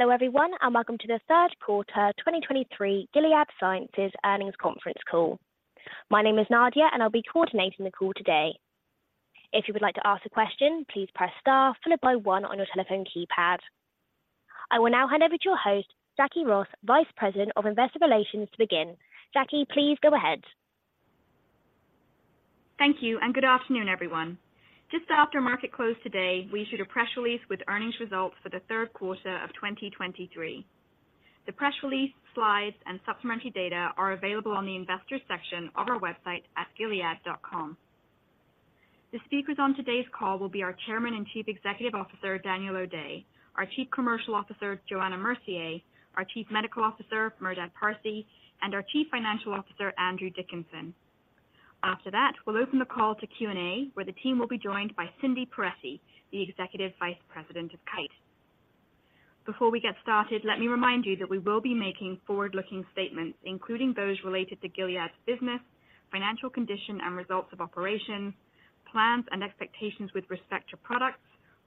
Hello, everyone, and welcome to the third quarter 2023 Gilead Sciences Earnings Conference Call. My name is Nadia, and I'll be coordinating the call today. If you would like to ask a question, please press Star followed by one on your telephone keypad. I will now hand over to your host, Jacquie Ross, Vice President of Investor Relations, to begin. Jacquie, please go ahead. Thank you, and good afternoon, everyone. Just after market close today, we issued a press release with earnings results for the third quarter of 2023. The press release, slides, and supplementary data are available on the investors section of our website at gilead.com. The speakers on today's call will be our Chairman and Chief Executive Officer, Daniel O'Day, our Chief Commercial Officer, Johanna Mercier, our Chief Medical Officer, Merdad Parsey, and our Chief Financial Officer, Andrew Dickinson. After that, we'll open the call to Q&A, where the team will be joined by Cindy Perettie, the Executive Vice President of Kite. Before we get started, let me remind you that we will be making forward-looking statements, including those related to Gilead's business, financial condition, and results of operations, plans and expectations with respect to products,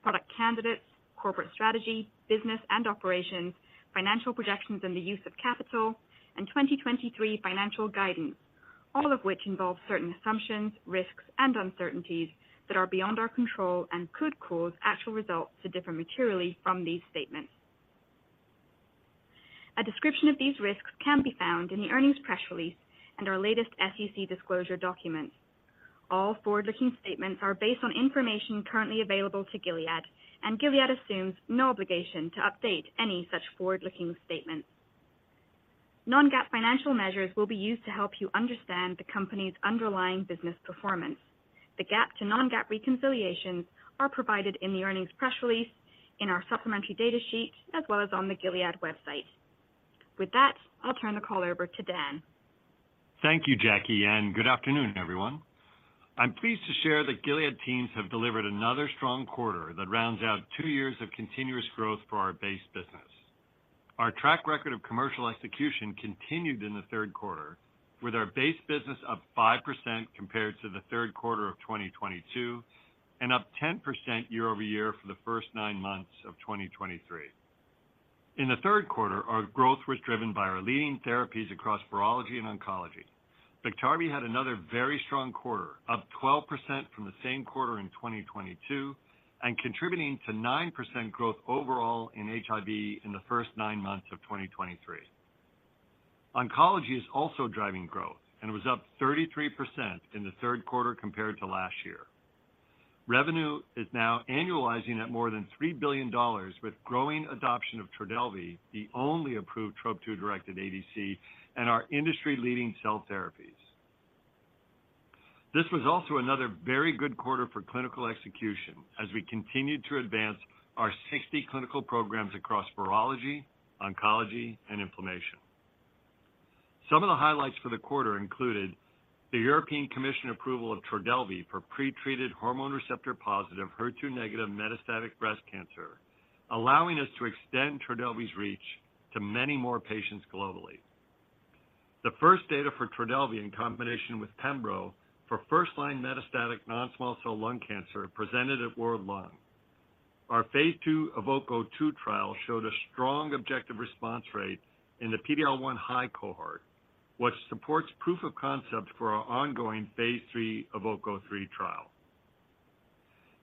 product candidates, corporate strategy, business and operations, financial projections and the use of capital, and 2023 financial guidance, all of which involve certain assumptions, risks, and uncertainties that are beyond our control and could cause actual results to differ materially from these statements. A description of these risks can be found in the earnings press release and our latest SEC disclosure documents. All forward-looking statements are based on information currently available to Gilead, and Gilead assumes no obligation to update any such forward-looking statements. Non-GAAP financial measures will be used to help you understand the company's underlying business performance. The GAAP to non-GAAP reconciliations are provided in the earnings press release, in our supplementary data sheet, as well as on the Gilead website. With that, I'll turn the call over to Dan. Thank you, Jacquie, and good afternoon, everyone. I'm pleased to share that Gilead teams have delivered another strong quarter that rounds out two years of continuous growth for our base business. Our track record of commercial execution continued in the third quarter, with our base business up 5% compared to the third quarter of 2022 and up 10% year-over-year for the first nine months of 2023. In the third quarter, our growth was driven by our leading therapies across virology and oncology. Biktarvy had another very strong quarter, up 12% from the same quarter in 2022 and contributing to 9% growth overall in HIV in the first nine months of 2023. Oncology is also driving growth and was up 33% in the third quarter compared to last year. Revenue is now annualizing at more than $3 billion, with growing adoption of Trodelvy, the only approved Trop-2-directed ADC and our industry-leading cell therapies. This was also another very good quarter for clinical execution as we continued to advance our 60 clinical programs across virology, oncology and inflammation. Some of the highlights for the quarter included the European Commission approval of Trodelvy for pretreated hormone receptor-positive, HER2-negative metastatic breast cancer, allowing us to extend Trodelvy's reach to many more patients globally. The first data for Trodelvy, in combination with pembro, for first-line metastatic non-small cell lung cancer, presented at World Lung. phase II EVOKE-02 trial showed a strong objective response rate in the PD-L1-high cohort, which supports proof of concept for phase III EVOKE-03 trial.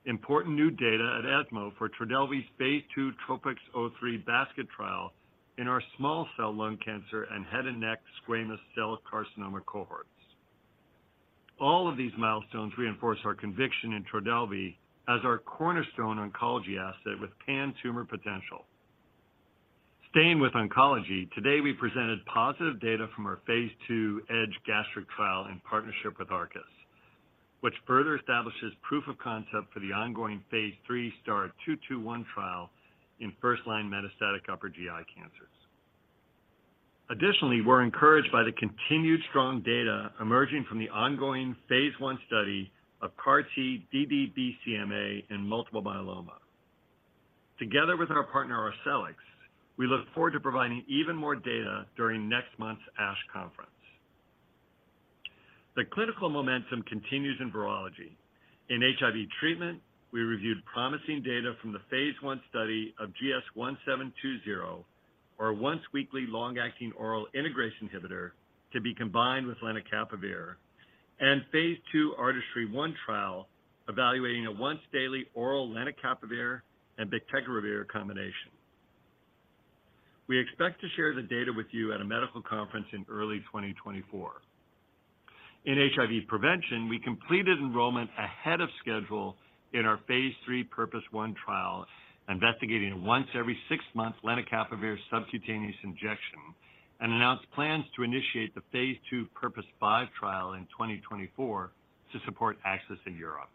Important new data at ESMO for phase II TROPICS-03 basket trial in our small cell lung cancer and head and neck squamous cell carcinoma cohorts. All of these milestones reinforce our conviction in Trodelvy as our cornerstone oncology asset with pan-tumor potential. Staying with oncology, today, we presented positive data from phase II EDGE-Gastric trial in partnership with Arcus, which further establishes proof of concept for phase III STAR-221 trial in first-line metastatic upper GI cancers. Additionally, we're encouraged by the continued strong data emerging from the ongoing phase I study of CART-ddBCMA in multiple myeloma. Together with our partner, Arcellx, we look forward to providing even more data during next month's ASH conference. The clinical momentum continues in virology. In HIV treatment, we reviewed promising data from the phase I study of GS-1720, our once-weekly long-acting oral integrase inhibitor to be combined with lenacapavir, phase II ARTISTRY-1 trial, evaluating a once-daily oral lenacapavir and bictegravir combination. We expect to share the data with you at a medical conference in early 2024. In HIV prevention, we completed enrollment ahead of schedule phase III PURPOSE 1 trial, investigating a once every six months lenacapavir subcutaneous injection, and announced plans to initiate phase II PURPOSE 5 trial in 2024 to support access in Europe.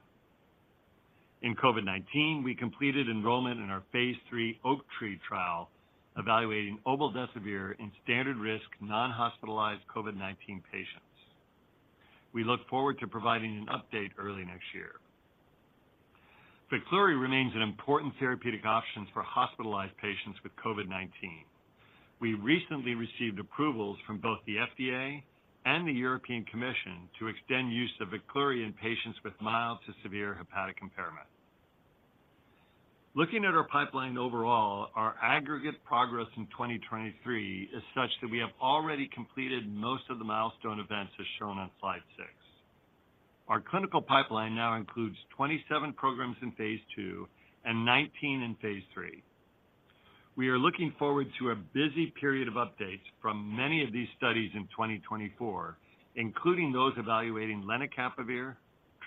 In COVID-19, we completed enrollment phase III OAKTREE trial, evaluating obeldesivir in standard risk, non-hospitalized COVID-19 patients. We look forward to providing an update early next year. Veklury remains an important therapeutic option for hospitalized patients with COVID-19. We recently received approvals from both the FDA and the European Commission to extend use of Veklury in patients with mild to severe hepatic impairment. Looking at our pipeline overall, our aggregate progress in 2023 is such that we have already completed most of the milestone events, as shown on slide 6. Our clinical pipeline now includes 27 programs in phase II and 19 in phase III. We are looking forward to a busy period of updates from many of these studies in 2024, including those evaluating lenacapavir,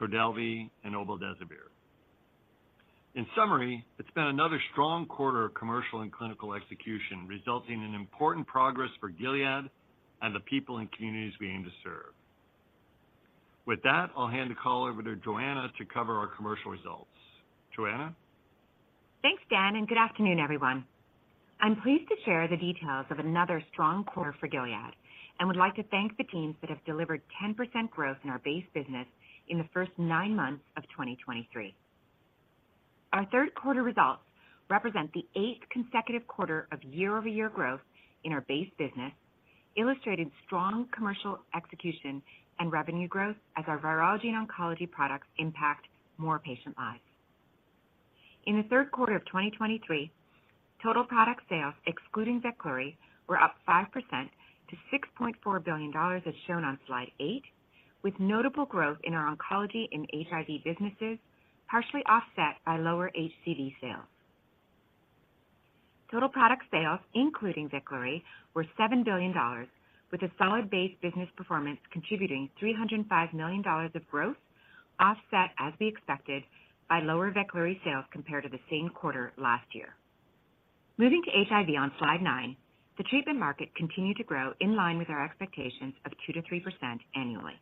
Trodelvy, and obeldesivir. In summary, it's been another strong quarter of commercial and clinical execution, resulting in important progress for Gilead and the people and communities we aim to serve. With that, I'll hand the call over to Johanna to cover our commercial results. Johanna? Thanks, Dan, and good afternoon, everyone. I'm pleased to share the details of another strong quarter for Gilead, and would like to thank the teams that have delivered 10% growth in our base business in the first nine months of 2023. Our third quarter results represent the eighth consecutive quarter of year-over-year growth in our base business, illustrating strong commercial execution and revenue growth as our virology and oncology products impact more patient lives. In the third quarter of 2023, total product sales, excluding Veklury, were up 5% to $6.4 billion, as shown on slide 8, with notable growth in our oncology and HIV businesses, partially offset by lower HCV sales. Total product sales, including Veklury, were $7 billion, with a solid base business performance contributing $305 million of growth, offset, as we expected, by lower Veklury sales compared to the same quarter last year. Moving to HIV on slide 9, the treatment market continued to grow in line with our expectations of 2%-3% annually.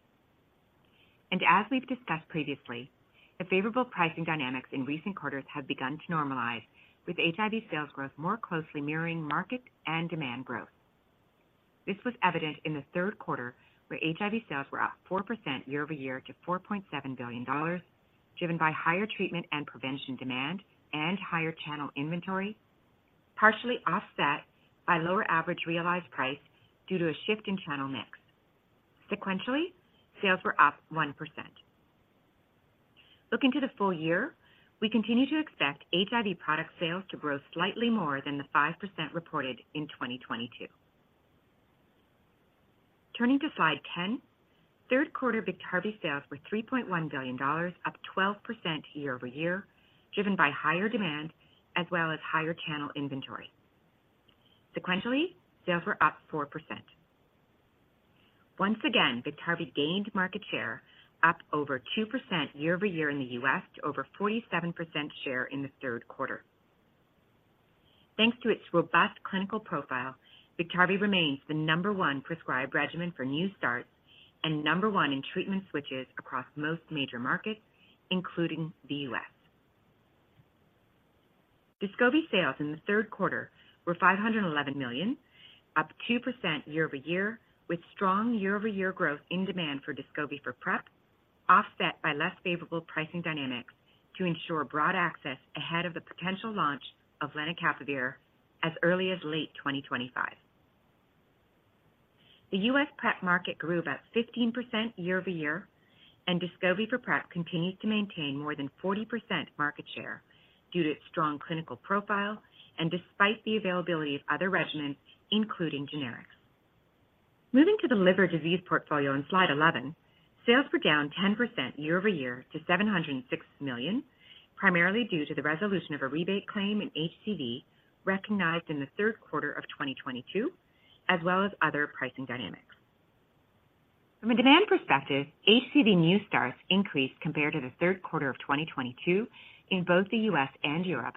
And as we've discussed previously, the favorable pricing dynamics in recent quarters have begun to normalize, with HIV sales growth more closely mirroring market and demand growth. This was evident in the third quarter, where HIV sales were up 4% year-over-year to $4.7 billion, driven by higher treatment and prevention demand and higher channel inventory, partially offset by lower average realized price due to a shift in channel mix. Sequentially, sales were up 1%. Looking to the full year, we continue to expect HIV product sales to grow slightly more than the 5% reported in 2022. Turning to slide 10, third quarter Biktarvy sales were $3.1 billion, up 12% year-over-year, driven by higher demand as well as higher channel inventory. Sequentially, sales were up 4%. Once again, Biktarvy gained market share, up over 2% year-over-year in the U.S., to over 47% share in the third quarter. Thanks to its robust clinical profile, Biktarvy remains the number one prescribed regimen for new starts and number one in treatment switches across most major markets, including the U.S. Descovy sales in the third quarter were $511 million, up 2% year-over-year, with strong year-over-year growth in demand for Descovy for PrEP, offset by less favorable pricing dynamics to ensure broad access ahead of the potential launch of lenacapavir as early as late 2025. The U.S. PrEP market grew about 15% year-over-year, and Descovy for PrEP continues to maintain more than 40% market share due to its strong clinical profile and despite the availability of other regimens, including generics. Moving to the liver disease portfolio on slide 11, sales were down 10% year-over-year to $706 million, primarily due to the resolution of a rebate claim in HCV recognized in the third quarter of 2022, as well as other pricing dynamics. From a demand perspective, HCV new starts increased compared to the third quarter of 2022 in both the U.S. and Europe,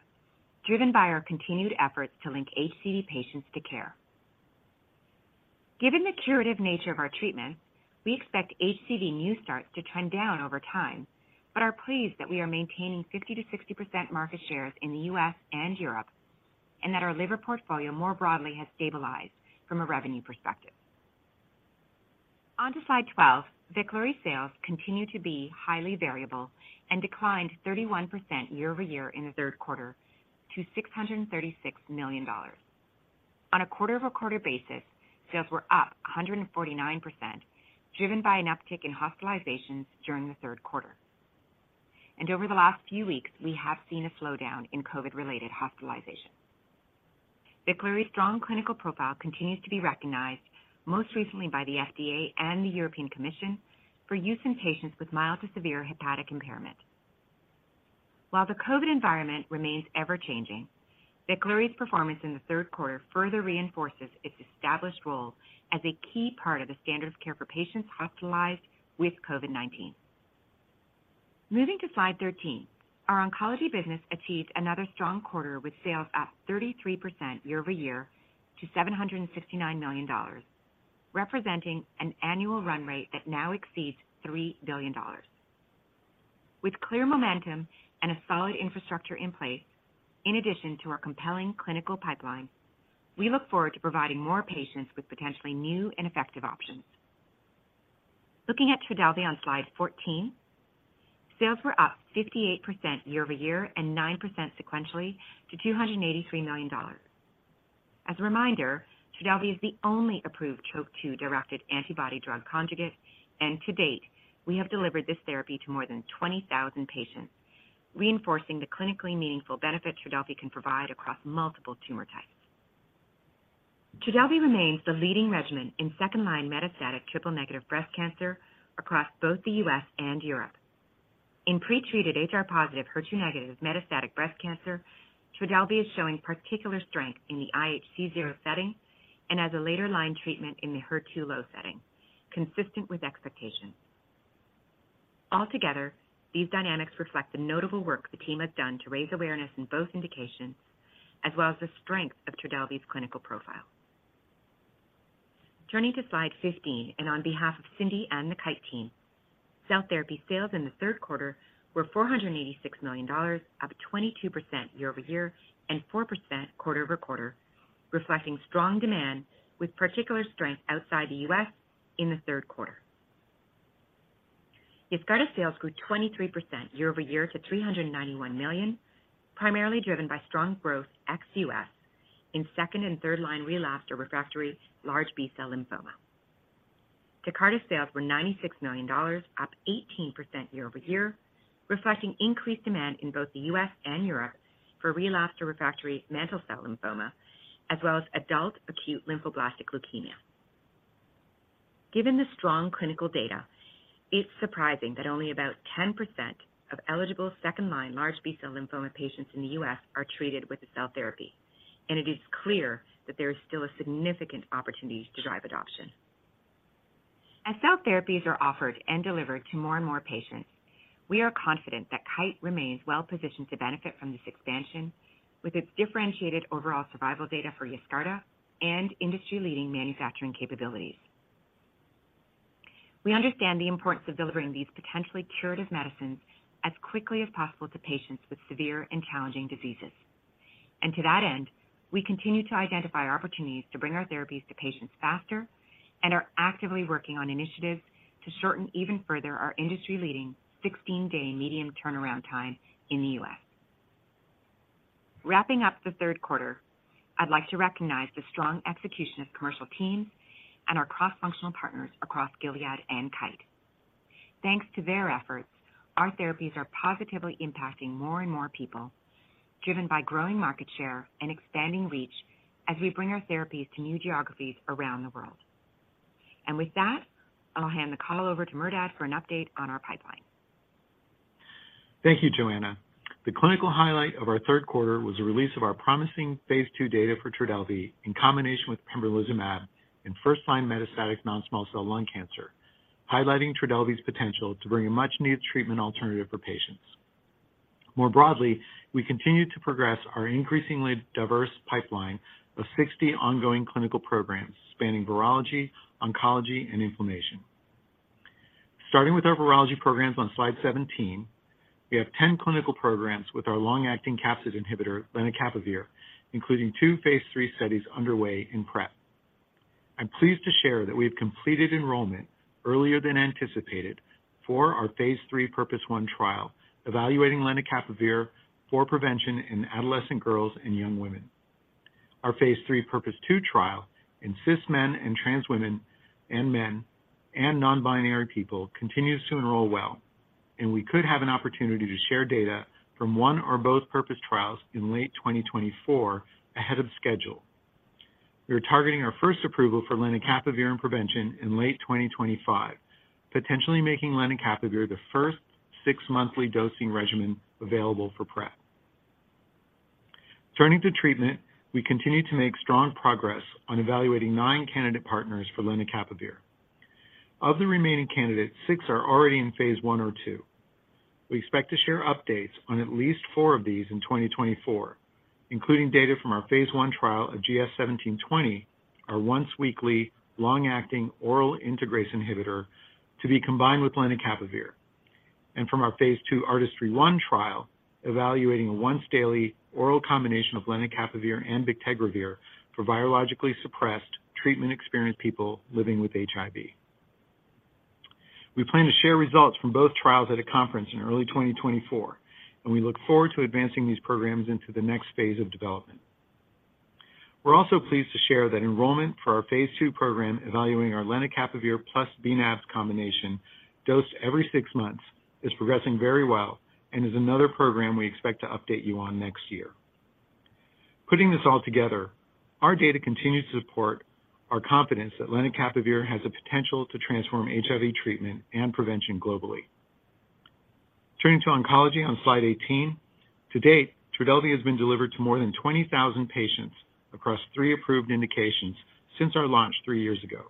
driven by our continued efforts to link HCV patients to care. Given the curative nature of our treatment, we expect HCV new starts to trend down over time, but are pleased that we are maintaining 50%-60% market shares in the U.S. and Europe, and that our liver portfolio more broadly has stabilized from a revenue perspective. On to slide 12. Veklury sales continue to be highly variable and declined 31% year-over-year in the third quarter to $636 million. On a quarter-over-quarter basis, sales were up 149%, driven by an uptick in hospitalizations during the third quarter. Over the last few weeks, we have seen a slowdown in COVID-related hospitalizations. Veklury's strong clinical profile continues to be recognized, most recently by the FDA and the European Commission, for use in patients with mild to severe hepatic impairment. While the COVID environment remains ever-changing, Veklury's performance in the third quarter further reinforces its established role as a key part of the standard of care for patients hospitalized with COVID-19. Moving to slide 13, our oncology business achieved another strong quarter, with sales up 33% year-over-year to $769 million, representing an annual run rate that now exceeds $3 billion. With clear momentum and a solid infrastructure in place, in addition to our compelling clinical pipeline, we look forward to providing more patients with potentially new and effective options. Looking at Trodelvy on slide 14, sales were up 58% year-over-year and 9% sequentially to $283 million. As a reminder, Trodelvy is the only approved Trop-2 directed antibody-drug conjugate, and to date, we have delivered this therapy to more than 20,000 patients, reinforcing the clinically meaningful benefit Trodelvy can provide across multiple tumor types. Trodelvy remains the leading regimen in second-line metastatic triple-negative breast cancer across both the U.S. and Europe. In pretreated HR-positive, HER2-negative metastatic breast cancer, Trodelvy is showing particular strength in the IHC zero setting and as a later-line treatment in the HER2-low setting, consistent with expectations. Altogether, these dynamics reflect the notable work the team has done to raise awareness in both indications, as well as the strength of Trodelvy's clinical profile. Turning to slide 15, and on behalf of Cindy and the Kite team, cell therapy sales in the third quarter were $486 million, up 22% year-over-year and 4% quarter-over-quarter, reflecting strong demand with particular strength outside the U.S. in the third quarter. Yescarta sales grew 23% year-over-year to $391 million, primarily driven by strong growth ex-U.S. in second- and third-line relapsed or refractory large B-cell lymphoma. Tecartus sales were $96 million, up 18% year-over-year, reflecting increased demand in both the U.S. and Europe for relapsed or refractory mantle cell lymphoma, as well as adult acute lymphoblastic leukemia. Given the strong clinical data, it's surprising that only about 10% of eligible second-line large B-cell lymphoma patients in the U.S. are treated with a cell therapy, and it is clear that there is still a significant opportunity to drive adoption. As cell therapies are offered and delivered to more and more patients, we are confident that Kite remains well positioned to benefit from this expansion, with its differentiated overall survival data for Yescarta and industry-leading manufacturing capabilities. We understand the importance of delivering these potentially curative medicines as quickly as possible to patients with severe and challenging diseases. To that end, we continue to identify opportunities to bring our therapies to patients faster and are actively working on initiatives to shorten even further our industry-leading 16-day median turnaround time in the U.S. Wrapping up the third quarter, I'd like to recognize the strong execution of commercial teams and our cross-functional partners across Gilead and Kite. Thanks to their efforts, our therapies are positively impacting more and more people, driven by growing market share and expanding reach as we bring our therapies to new geographies around the world. With that, I'll hand the call over to Merdad for an update on our pipeline. Thank you, Johanna. The clinical highlight of our third quarter was the release of our promising phase II data for Trodelvy in combination with pembrolizumab in first-line metastatic non-small cell lung cancer, highlighting Trodelvy's potential to bring a much-needed treatment alternative for patients. More broadly, we continue to progress our increasingly diverse pipeline of 60 ongoing clinical programs spanning virology, oncology, and inflammation. Starting with our virology programs on Slide 17, we have 10 clinical programs with our long-acting capsid inhibitor, lenacapavir, including two phase III studies underway in PrEP. I'm pleased to share that we have completed enrollment earlier than anticipated for our phase III PURPOSE 1 trial, evaluating lenacapavir for prevention in adolescent girls and young women. Our phase III PURPOSE 2 trial in cis men and trans women and men and non-binary people continues to enroll well, and we could have an opportunity to share data from one or both PURPOSE trials in late 2024, ahead of schedule. We are targeting our first approval for lenacapavir in prevention in late 2025, potentially making lenacapavir the first six-monthly dosing regimen available for PrEP. Turning to treatment, we continue to make strong progress on evaluating nine candidate partners for lenacapavir. Of the remaining candidates, six are already in phase I or II. We expect to share updates on at least 4 of these in 2024, including data from our phase I trial of GS-1720, our once-weekly, long-acting oral integrase inhibitor to be combined with lenacapavir, and from our phase II ARTISTRY-1 trial, evaluating a once-daily oral combination of lenacapavir and bictegravir for virologically suppressed, treatment-experienced people living with HIV. We plan to share results from both trials at a conference in early 2024, and we look forward to advancing these programs into the next phase of development. We're also pleased to share that enrollment for our phase II program, evaluating our lenacapavir plus bnAb combination dosed every 6 months, is progressing very well and is another program we expect to update you on next year. Putting this all together, our data continues to support our confidence that lenacapavir has the potential to transform HIV treatment and prevention globally. Turning to oncology on Slide 18, to date, Trodelvy has been delivered to more than 20,000 patients across 3 approved indications since our launch 3 years ago.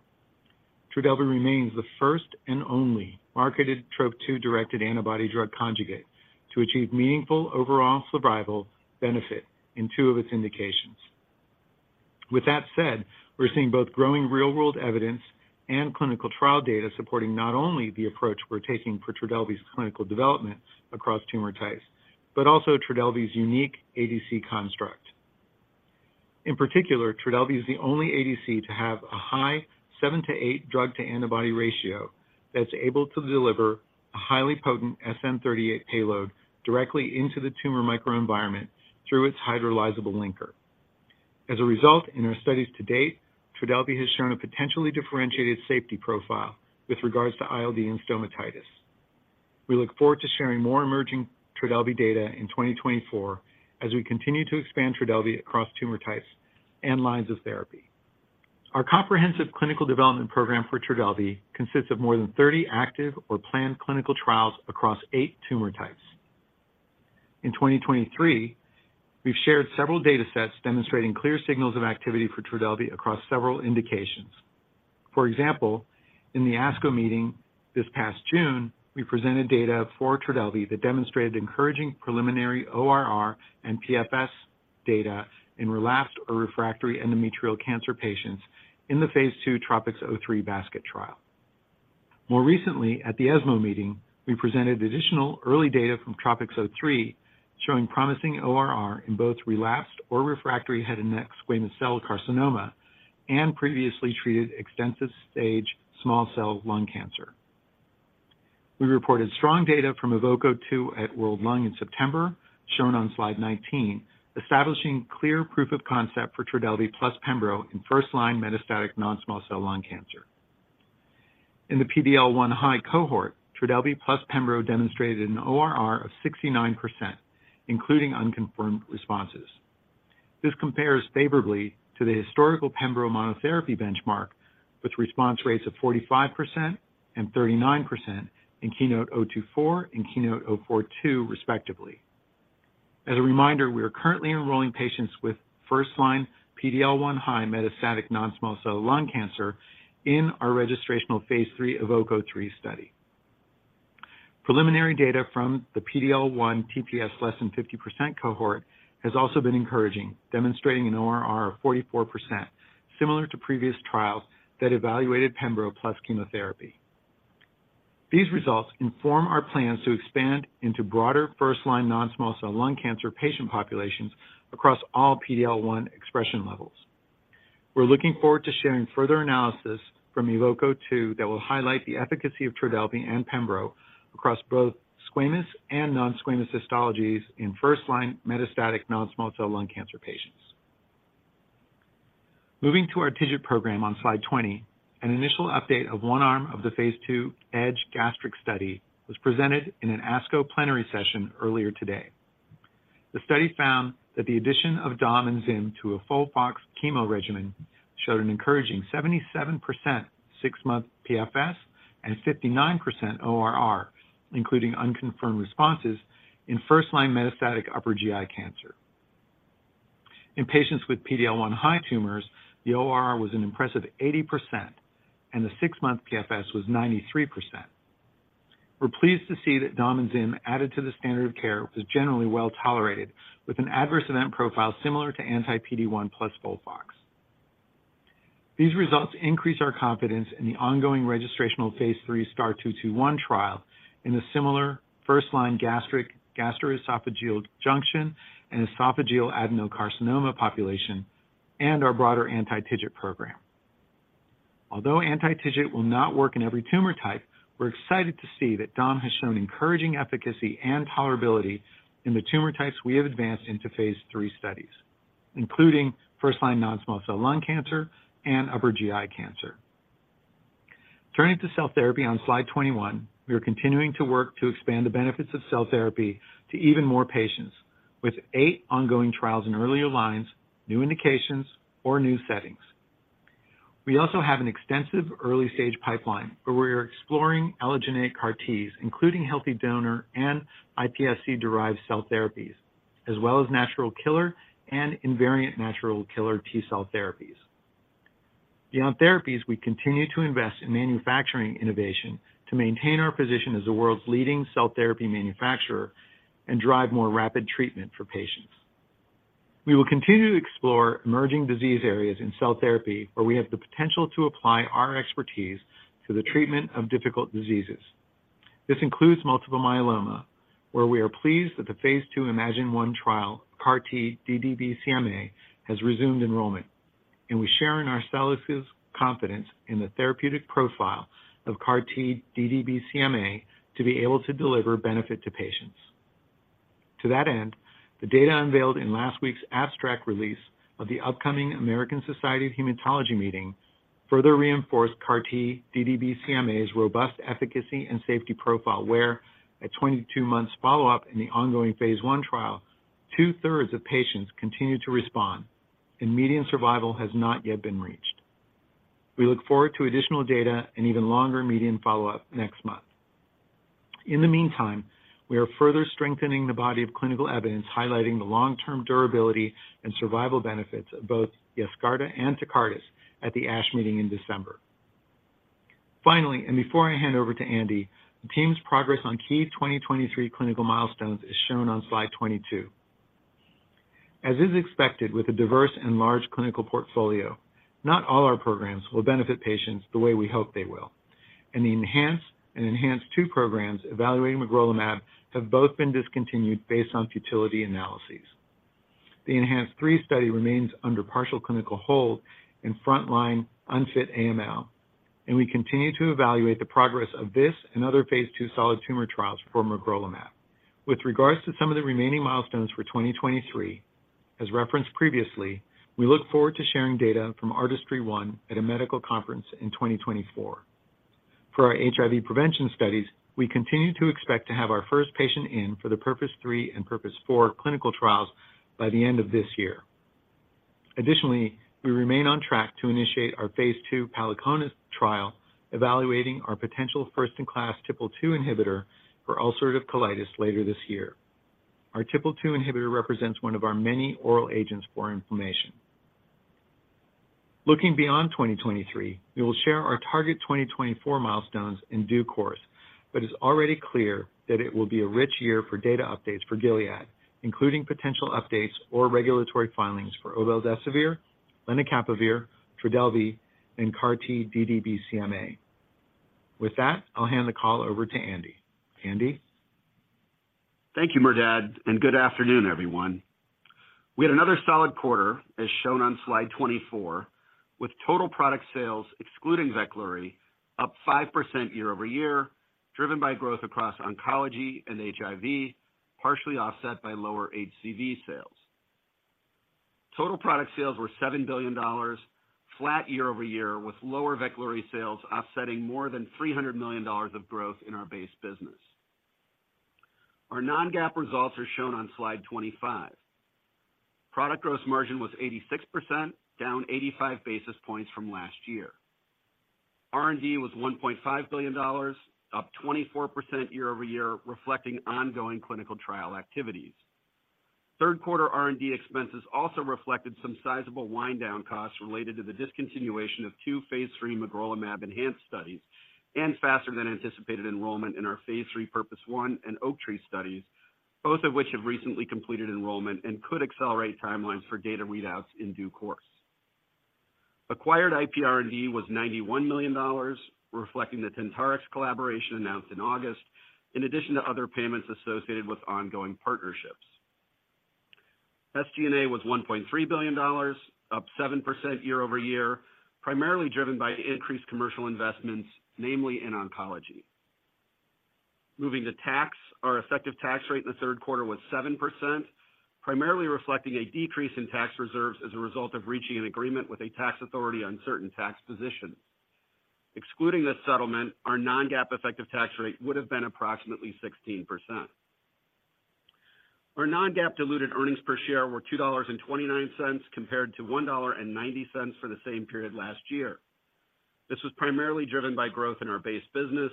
Trodelvy remains the first and only marketed Trop-2-directed antibody-drug conjugate to achieve meaningful overall survival benefit in 2 of its indications. With that said, we're seeing both growing real-world evidence and clinical trial data supporting not only the approach we're taking for Trodelvy's clinical development across tumor types, but also Trodelvy's unique ADC construct. In particular, Trodelvy is the only ADC to have a high 7-8 drug-to-antibody ratio that's able to deliver a highly potent SN-38 payload directly into the tumor microenvironment through its hydrolyzable linker. As a result, in our studies to date, Trodelvy has shown a potentially differentiated safety profile with regards to ILD and stomatitis. We look forward to sharing more emerging Trodelvy data in 2024 as we continue to expand Trodelvy across tumor types and lines of therapy. Our comprehensive clinical development program for Trodelvy consists of more than 30 active or planned clinical trials across eight tumor types. In 2023, we've shared several datasets demonstrating clear signals of activity for Trodelvy across several indications. For example, in the ASCO meeting this past June, we presented data for Trodelvy that demonstrated encouraging preliminary ORR and PFS data in relapsed or refractory endometrial cancer patients in phase II TROPICS-03 basket trial. More recently, at the ESMO meeting, we presented additional early data from TROPICS-03, showing promising ORR in both relapsed or refractory head and neck squamous cell carcinoma and previously treated extensive stage small cell lung cancer. We reported strong data from EVOCO-2 at World Lung in September, shown on slide 19, establishing clear proof of concept for Trodelvy plus pembro in first-line metastatic non-small cell lung cancer. In the PDL1 high cohort, Trodelvy plus pembro demonstrated an ORR of 69%, including unconfirmed responses. This compares favorably to the historical pembro monotherapy benchmark, with response rates of 45% and 39% in KEYNOTE-024 and KEYNOTE-042, respectively. As a reminder, we are currently enrolling patients with first-line PDL1 high metastatic non-small cell lung cancer in our registrational phase III EVOCO-3 study. Preliminary data from the PDL1 TPS less than 50% cohort has also been encouraging, demonstrating an ORR of 44%, similar to previous trials that evaluated pembro plus chemotherapy. These results inform our plans to expand into broader first-line non-small cell lung cancer patient populations across all PDL1 expression levels. We're looking forward to sharing further analysis from EVOCO-2 that will highlight the efficacy of Trodelvy and pembro across both squamous and non-squamous histologies in first-line metastatic non-small cell lung cancer patients. Moving to our TIGIT program on slide 20, an initial update of one arm of the phase II EDGE gastric study was presented in an ASCO plenary session earlier today. The study found that the addition of dom and zim to a FOLFOX chemo regimen showed an encouraging 77% six-month PFS and 59% ORR, including unconfirmed responses, in first-line metastatic upper GI cancer. In patients with PDL1 high tumors, the ORR was an impressive 80%, and the six-month PFS was 93%. We're pleased to see that dom and zim added to the standard of care was generally well-tolerated, with an adverse event profile similar to anti-PD-1 plus FOLFOX. These results increase our confidence in the phase III star-221 trial in a similar first-line gastric-gastroesophageal junction and esophageal adenocarcinoma population and our broader anti-TIGIT program. Although anti-TIGIT will not work in every tumor type, we're excited to see that dom has shown encouraging efficacy and tolerability in the tumor types we have phase III studies, including first-line non-small cell lung cancer and upper GI cancer. Turning to cell therapy on slide 21, we are continuing to work to expand the benefits of cell therapy to even more patients, with 8 ongoing trials in earlier lines, new indications, or new settings. We also have an extensive early-stage pipeline, where we are exploring allogeneic CAR-Ts, including healthy donor and iPSC-derived cell therapies, as well as natural killer and invariant natural killer T-cell therapies. Beyond therapies, we continue to invest in manufacturing innovation to maintain our position as the world's leading cell therapy manufacturer and drive more rapid treatment for patients. We will continue to explore emerging disease areas in cell therapy, where we have the potential to apply our expertise to the treatment of difficult diseases. This includes multiple myeloma, where we are pleased that phase II iMMagine-1 trial, CAR-T ddBCMA, has resumed enrollment, and we share in Arcellx's confidence in the therapeutic profile of CAR-T ddBCMA to be able to deliver benefit to patients. To that end, the data unveiled in last week's abstract release of the upcoming American Society of Hematology meeting further reinforced CAR-T ddBCMA's robust efficacy and safety profile, where at 22 months follow-up in the ongoing phase I trial, two-thirds of patients continued to respond, and median survival has not yet been reached. We look forward to additional data and even longer median follow-up next month. In the meantime, we are further strengthening the body of clinical evidence highlighting the long-term durability and survival benefits of both Yescarta and Tecartus at the ASH meeting in December. Finally, and before I hand over to Andy, the team's progress on key 2023 clinical milestones is shown on slide 22. As is expected with a diverse and large clinical portfolio, not all our programs will benefit patients the way we hope they will. The ENHANCE and ENHANCE-2 programs evaluating magrolimab have both been discontinued based on futility analyses. The ENHANCE-3 study remains under partial clinical hold in frontline unfit AML, and we continue to evaluate the progress of this and phase II solid tumor trials for magrolimab. With regards to some of the remaining milestones for 2023, as referenced previously, we look forward to sharing data from ARTISTRY-1 at a medical conference in 2024. For our HIV prevention studies, we continue to expect to have our first patient in for the PURPOSE 3 and PURPOSE 4 clinical trials by the end of this year. Additionally, we remain on track to initiate phase II palicona trial, evaluating our potential first-in-class TYK2 inhibitor for ulcerative colitis later this year. Our TYK2 inhibitor represents one of our many oral agents for inflammation. Looking beyond 2023, we will share our target 2024 milestones in due course, but it's already clear that it will be a rich year for data updates for Gilead, including potential updates or regulatory filings for obeldesivir, lenacapavir, Trodelvy, and CAR-T ddBCMA. With that, I'll hand the call over to Andy. Andy? Thank you, Merdad, and good afternoon, everyone. We had another solid quarter, as shown on slide 24, with total product sales, excluding Veklury, up 5% year-over-year, driven by growth across oncology and HIV, partially offset by lower HCV sales. Total product sales were $7 billion, flat year-over-year, with lower Veklury sales offsetting more than $300 million of growth in our base business. Our non-GAAP results are shown on slide 25. Product gross margin was 86%, down 85 basis points from last year. R&D was $1.5 billion, up 24% year-over-year, reflecting ongoing clinical trial activities. Third quarter R&D expenses also reflected some sizable wind down costs related to the discontinuation of two phase III magrolimab ENHANCE studies and faster than anticipated enrollment in our phase III PURPOSE 1 and OAKTREE studies, both of which have recently completed enrollment and could accelerate timelines for data readouts in due course. Acquired IP R&D was $91 million, reflecting the Tentarix collaboration announced in August, in addition to other payments associated with ongoing partnerships. SG&A was $1.3 billion, up 7% year-over-year, primarily driven by increased commercial investments, namely in oncology. Moving to tax. Our effective tax rate in the third quarter was 7%, primarily reflecting a decrease in tax reserves as a result of reaching an agreement with a tax authority on certain tax positions. Excluding this settlement, our non-GAAP effective tax rate would have been approximately 16%. Our non-GAAP diluted earnings per share were $2.29, compared to $1.90 for the same period last year. This was primarily driven by growth in our base business,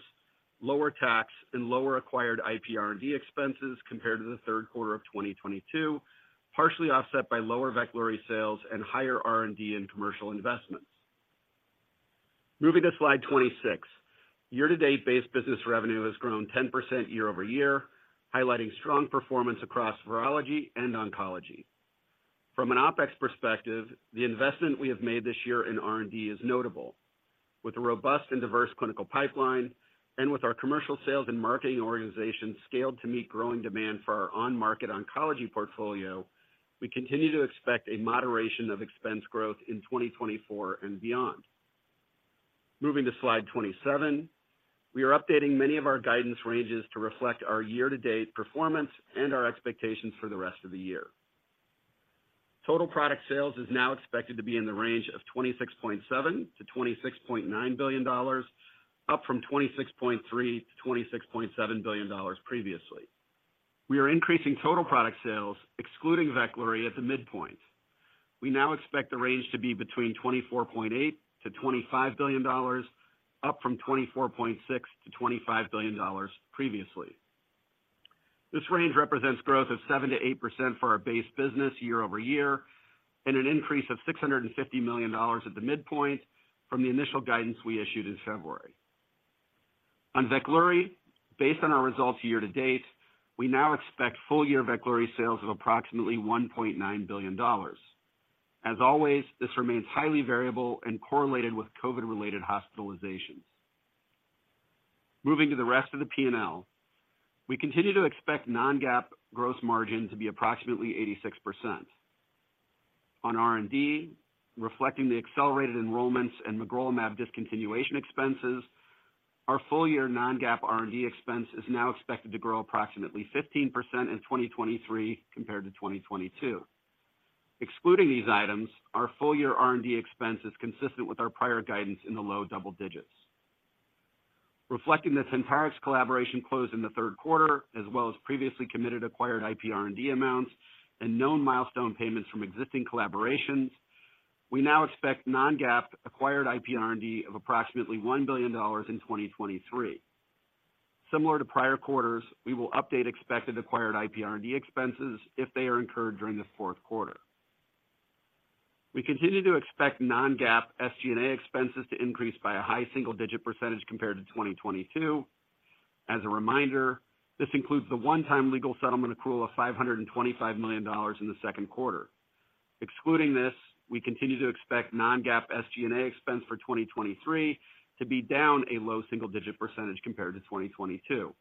lower tax and lower acquired IP R&D expenses compared to the third quarter of 2022, partially offset by lower Veklury sales and higher R&D and commercial investments. Moving to slide 26. Year-to-date base business revenue has grown 10% year-over-year, highlighting strong performance across virology and oncology. From an OpEx perspective, the investment we have made this year in R&D is notable. With a robust and diverse clinical pipeline, and with our commercial sales and marketing organization scaled to meet growing demand for our on-market oncology portfolio, we continue to expect a moderation of expense growth in 2024 and beyond. Moving to slide 27. We are updating many of our guidance ranges to reflect our year-to-date performance and our expectations for the rest of the year. Total product sales is now expected to be in the range of $26.7 billion-$26.9 billion, up from $26.3 billion-$26.7 billion previously. We are increasing total product sales, excluding Veklury, at the midpoint. We now expect the range to be between $24.8 billoni-$25 billion, up from $24.6 billion-$25 billion previously. This range represents growth of 7%-8% for our base business year-over-year, and an increase of $650 million at the midpoint from the initial guidance we issued in February. On Veklury, based on our results year to date, we now expect full year Veklury sales of approximately $1.9 billion. As always, this remains highly variable and correlated with COVID-related hospitalizations. Moving to the rest of the P&L, we continue to expect non-GAAP gross margin to be approximately 86%. On R&D, reflecting the accelerated enrollments and magrolimab discontinuation expenses, our full-year non-GAAP R&D expense is now expected to grow approximately 15% in 2023 compared to 2022. Excluding these items, our full-year R&D expense is consistent with our prior guidance in the low double digits. Reflecting the Tentarix collaboration closed in the third quarter, as well as previously committed acquired IP R&D amounts and known milestone payments from existing collaborations, we now expect non-GAAP acquired IP R&D of approximately $1 billion in 2023. Similar to prior quarters, we will update expected acquired IP R&D expenses if they are incurred during the fourth quarter. We continue to expect non-GAAP SG&A expenses to increase by a high single-digit percentage compared to 2022. As a reminder, this includes the one-time legal settlement accrual of $525 million in the second quarter. Excluding this, we continue to expect non-GAAP SG&A expense for 2023 to be down a low single-digit percentage compared to 2022.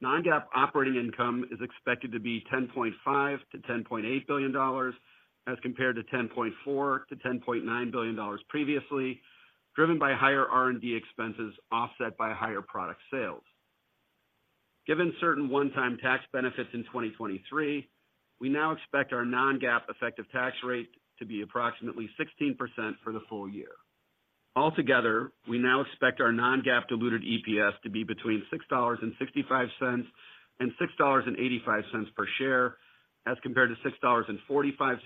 Non-GAAP operating income is expected to be $10.5 billion-$10.8 billion, as compared to $10.4 billion-$10.9 billion previously, driven by higher R&D expenses, offset by higher product sales. Given certain one-time tax benefits in 2023, we now expect our non-GAAP effective tax rate to be approximately 16% for the full year. Altogether, we now expect our non-GAAP diluted EPS to be between $6.65-$6.85 per share, as compared to $6.45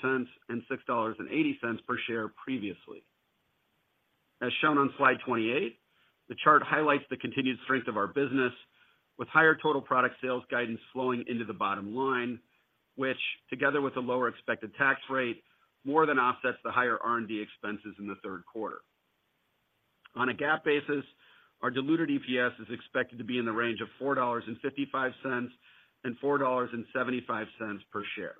and $6.80 per share previously. As shown on slide 28, the chart highlights the continued strength of our business, with higher total product sales guidance flowing into the bottom line, which, together with a lower expected tax rate, more than offsets the higher R&D expenses in the third quarter. On a GAAP basis, our diluted EPS is expected to be in the range of $4.55-$4.75 per share.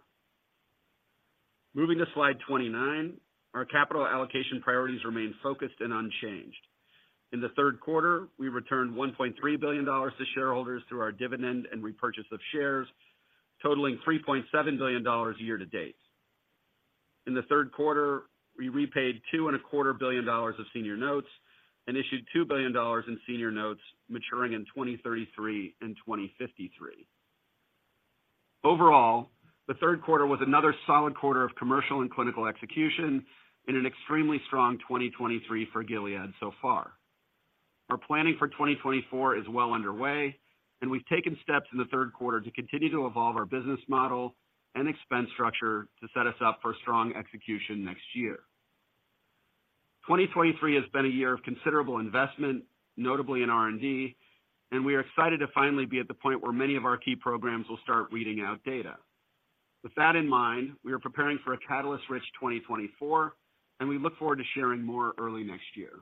Moving to slide 29, our capital allocation priorities remain focused and unchanged. In the third quarter, we returned $1.3 billion to shareholders through our dividend and repurchase of shares, totaling $3.7 billion year to date. In the third quarter, we repaid $2.25 billion of senior notes and issued $2 billion in senior notes, maturing in 2033 and 2053. Overall, the third quarter was another solid quarter of commercial and clinical execution in an extremely strong 2023 for Gilead so far. Our planning for 2024 is well underway, and we've taken steps in the third quarter to continue to evolve our business model and expense structure to set us up for strong execution next year. 2023 has been a year of considerable investment, notably in R&D, and we are excited to finally be at the point where many of our key programs will start reading out data. With that in mind, we are preparing for a catalyst-rich 2024, and we look forward to sharing more early next year.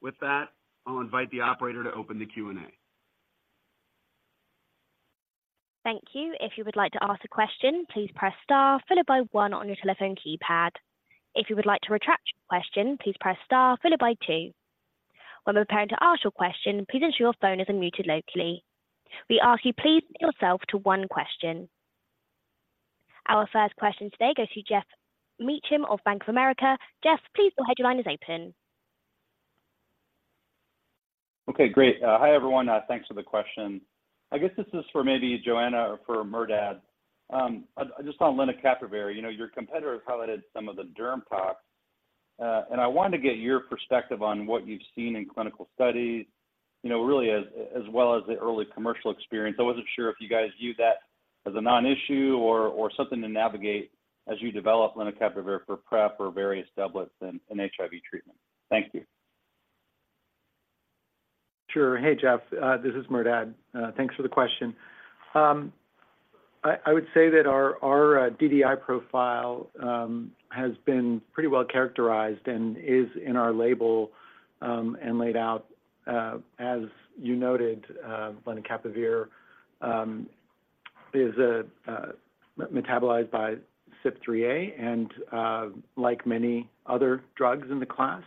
With that, I'll invite the operator to open the Q&A. Thank you. If you would like to ask a question, please press star followed by one on your telephone keypad. If you would like to retract your question, please press star followed by two. When preparing to ask your question, please ensure your phone isn't muted locally. We ask you please limit yourself to one question. Our first question today goes to Geoff Meacham of Bank of America. Geoff, please, your line is open. Okay, great. Hi, everyone, thanks for the question. I guess this is for maybe Johanna or for Merdad. I just on lenacapavir, you know, your competitor highlighted some of the derm tox, and I wanted to get your perspective on what you've seen in clinical studies, you know, really as well as the early commercial experience. I wasn't sure if you guys view that as a non-issue or something to navigate as you develop lenacapavir for PrEP or various doublets and HIV treatment. Thank you. Sure. Hey, Jeff, this is Merdad. Thanks for the question. I would say that our DDI profile has been pretty well characterized and is in our label, and laid out, as you noted, lenacapavir is metabolized by CYP3A and, like many other drugs in the class,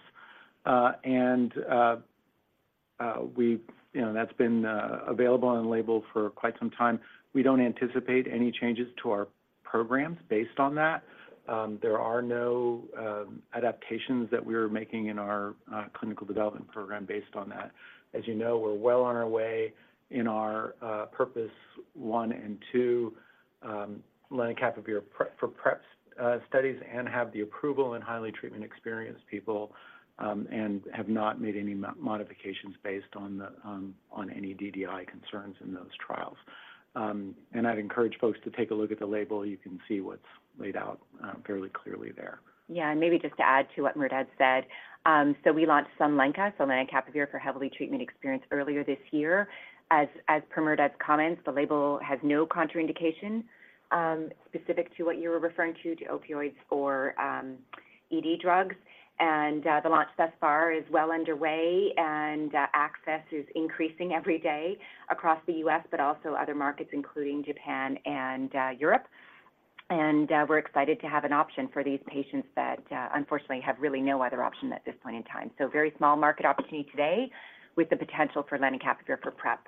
and we've—you know, that's been available on label for quite some time. We don't anticipate any changes to our programs based on that. There are no adaptations that we're making in our clinical development program based on that. As you know, we're well on our way in our PURPOSE 1 and 2 lenacapavir PrEP studies and have the approval in highly treatment-experienced people and have not made any modifications based on any DDI concerns in those trials. I'd encourage folks to take a look at the label. You can see what's laid out fairly clearly there. Yeah, and maybe just to add to what Merdad said, so we launched Sunlenca, so lenacapavir for heavily treatment-experienced earlier this year. As per Merdad's comments, the label has no contraindication specific to what you were referring to, to opioids or ED drugs. And the launch thus far is well underway, and access is increasing every day across the U.S., but also other markets, including Japan and Europe. And we're excited to have an option for these patients that unfortunately have really no other option at this point in time. So very small market opportunity today, with the potential for lenacapavir for PrEP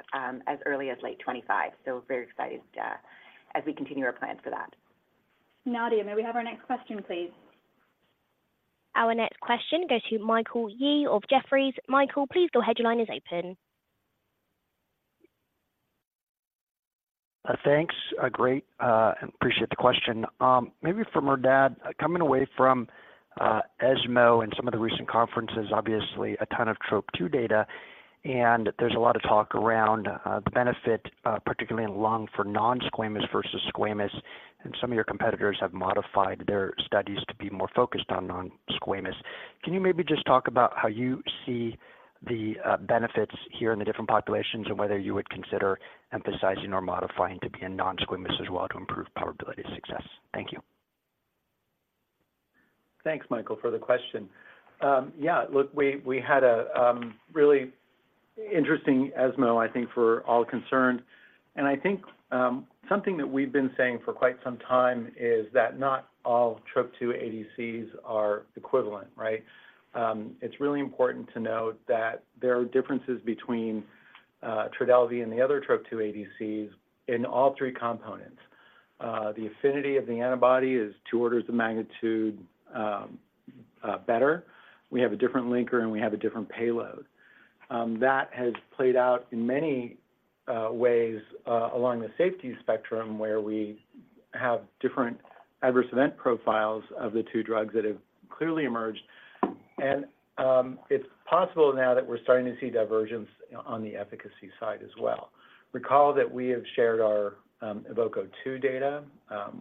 as early as late 2025. So we're very excited as we continue our plans for that. Nadia, may we have our next question, please? Our next question goes to Michael Yee of Jefferies. Michael, please your headline is open. Thanks, great, appreciate the question. Maybe for Merdad, coming away from ESMO and some of the recent conferences, obviously a ton of Trop-2 data, and there's a lot of talk around the benefit, particularly in lung for non-squamous versus squamous, and some of your competitors have modified their studies to be more focused on non-squamous. Can you maybe just talk about how you see the benefits here in the different populations and whether you would consider emphasizing or modifying to be a non-squamous as well to improve probability of success? Thank you. Thanks, Michael, for the question. Yeah, look, we had a really interesting ESMO, I think, for all concerned. And I think something that we've been saying for quite some time is that not all Trop-2 ADCs are equivalent, right? It's really important to note that there are differences between Trodelvy and the other Trop-2 ADCs in all three components. The affinity of the antibody is two orders of magnitude better. We have a different linker, and we have a different payload. That has played out in many ways along the safety spectrum, where we have different adverse event profiles of the two drugs that have clearly emerged. And it's possible now that we're starting to see divergence on the efficacy side as well. Recall that we have shared our EVOCO-2 data,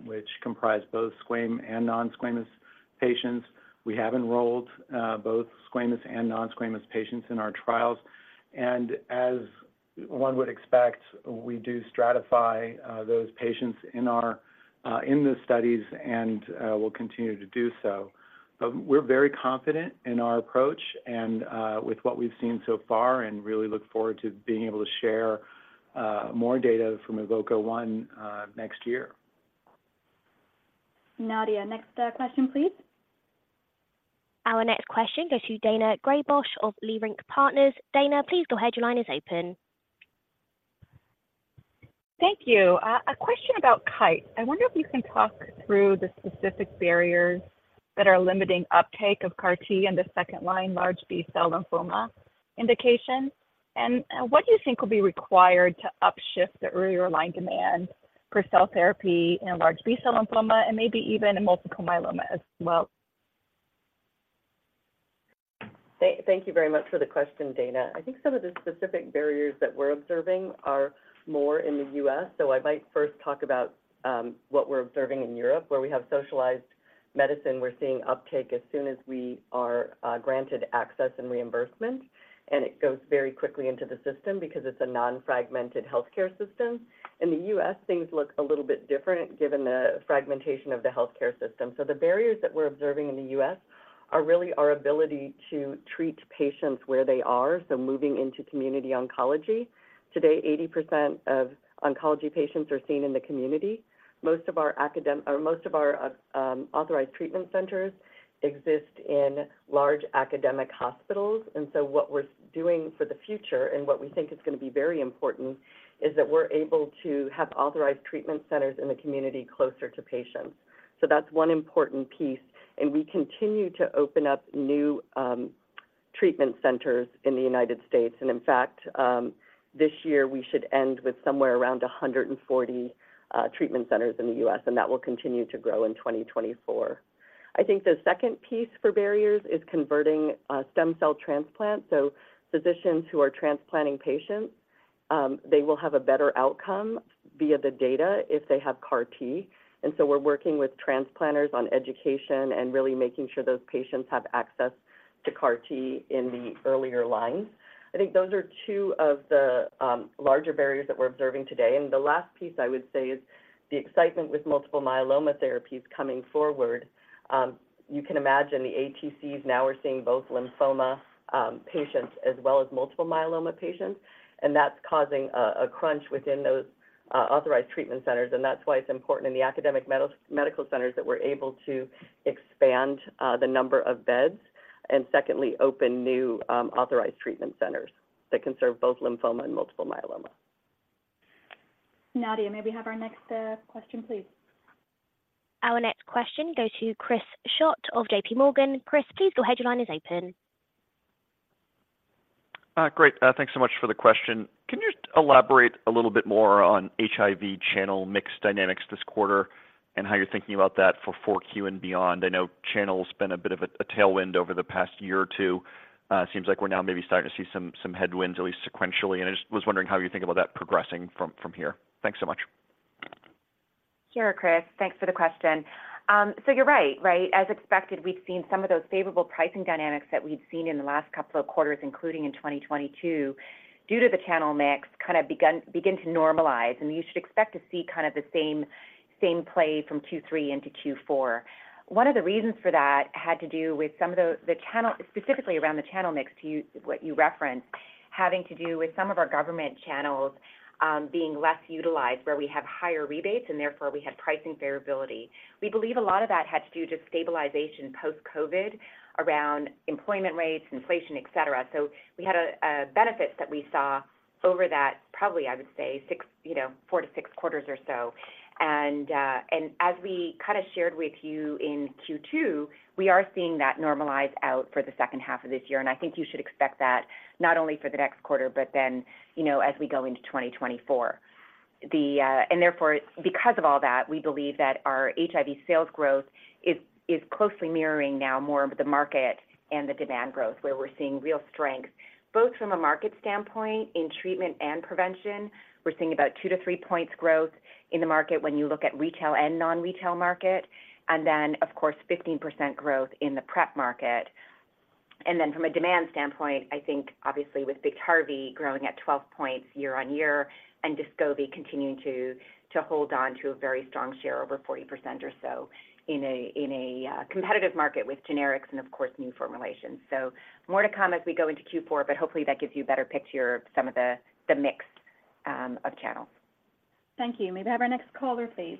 which comprised both squamous and non-squamous patients. We have enrolled both squamous and non-squamous patients in our trials, and as one would expect, we do stratify those patients in our in the studies and will continue to do so. But we're very confident in our approach and with what we've seen so far and really look forward to being able to share more data from EVOCO-1 next year. Nadia, next question, please. Our next question goes to Daina Graybosch of Leerink Partners. Dana, please go ahead. Your line is open. Thank you. A question about Kite. I wonder if you can talk through the specific barriers that are limiting uptake of CAR T in the second-line large B-cell lymphoma indication, and what do you think will be required to upshift the earlier line demand for cell therapy in large B-cell lymphoma and maybe even in multiple myeloma as well? Thank you very much for the question, Daina. I think some of the specific barriers that we're observing are more in the U.S., so I might first talk about what we're observing in Europe, where we have socialized medicine, we're seeing uptake as soon as we are granted access and reimbursement, and it goes very quickly into the system because it's a non-fragmented healthcare system. In the U.S., things look a little bit different given the fragmentation of the healthcare system. So the barriers that we're observing in the U.S. are really our ability to treat patients where they are, so moving into community oncology. Today, 80% of oncology patients are seen in the community. Most of our academic or most of our authorized treatment centers exist in large academic hospitals, and so what we're doing for the future and what we think is going to be very important, is that we're able to have authorized treatment centers in the community closer to patients. So that's one important piece, and we continue to open up new treatment centers in the United States. In fact, this year, we should end with somewhere around 140 treatment centers in the U.S., and that will continue to grow in 2024. I think the second piece for barriers is converting stem cell transplant. So physicians who are transplanting patients, they will have a better outcome via the data if they have CAR T. And so we're working with transplanters on education and really making sure those patients have access to CAR T in the earlier lines. I think those are two of the larger barriers that we're observing today. And the last piece I would say is the excitement with multiple myeloma therapies coming forward. You can imagine the ATCs now are seeing both lymphoma patients as well as multiple myeloma patients, and that's causing a crunch within those authorized treatment centers, and that's why it's important in the academic medical centers that we're able to expand the number of beds, and secondly, open new authorized treatment centers that can serve both lymphoma and multiple myeloma. Nadia, may we have our next question, please? Our next question goes to Chris Schott of J.P. Morgan. Chris, please, go ahead. Your line is open. Great. Thanks so much for the question. Can you elaborate a little bit more on HIV channel mix dynamics this quarter and how you're thinking about that for Q4 and beyond? I know channel's been a bit of a tailwind over the past year or two. Seems like we're now maybe starting to see some headwinds, at least sequentially, and I just was wondering how you think about that progressing from here. Thanks so much. Sure, Chris. Thanks for the question. So you're right, right. As expected, we've seen some of those favorable pricing dynamics that we've seen in the last couple of quarters, including in 2022, due to the channel mix kind of begin to normalize, and you should expect to see kind of the same play from Q3 into Q4. One of the reasons for that had to do with some of the channel, specifically around the channel mix, to use what you referenced, having to do with some of our government channels being less utilized, where we have higher rebates, and therefore we had pricing variability. We believe a lot of that had to do with stabilization post-COVID around employment rates, inflation, et cetera. So we had a benefit that we saw over that, probably, I would say, 6, you know, 4-6 quarters or so. And as we kind of shared with you in Q2, we are seeing that normalize out for the second half of this year, and I think you should expect that not only for the next quarter, but then, you know, as we go into 2024. The... And therefore, because of all that, we believe that our HIV sales growth is closely mirroring now more of the market and the demand growth, where we're seeing real strength. Both from a market standpoint in treatment and prevention, we're seeing about 2-3 points growth in the market when you look at retail and non-retail market, and then, of course, 15% growth in the prep market. And then from a demand standpoint, I think obviously with Biktarvy growing at 12 points year-on-year, and Descovy continuing to hold on to a very strong share, over 40% or so in a competitive market with generics and of course, new formulations. So more to come as we go into Q4, but hopefully that gives you a better picture of some of the mix of channels. Thank you. May we have our next caller, please?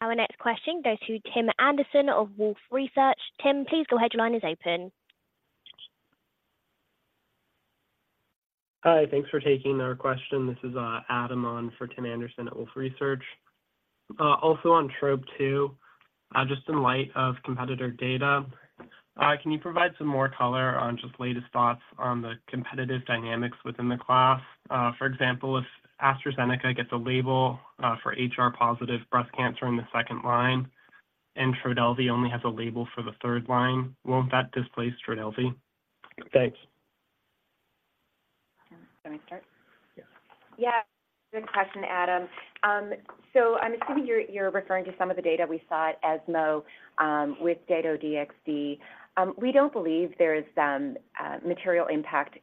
Our next question goes to Tim Anderson of Wolfe Research. Tim, please, your line is open. Hi, thanks for taking our question. This is, Adam on for Tim Anderson at Wolfe Research. Also on Trop-2, just in light of competitor data, can you provide some more color on just latest thoughts on the competitive dynamics within the class? For example, if AstraZeneca gets a label for HR-positive breast cancer in the second-line, and Trodelvy only has a label for the third-line, won't that displace Trodelvy? Thanks. You want me to start? Yes. Yeah, good question, Adam. So I'm assuming you're referring to some of the data we saw at ESMO with Dato-DXd. We don't believe there is a material impact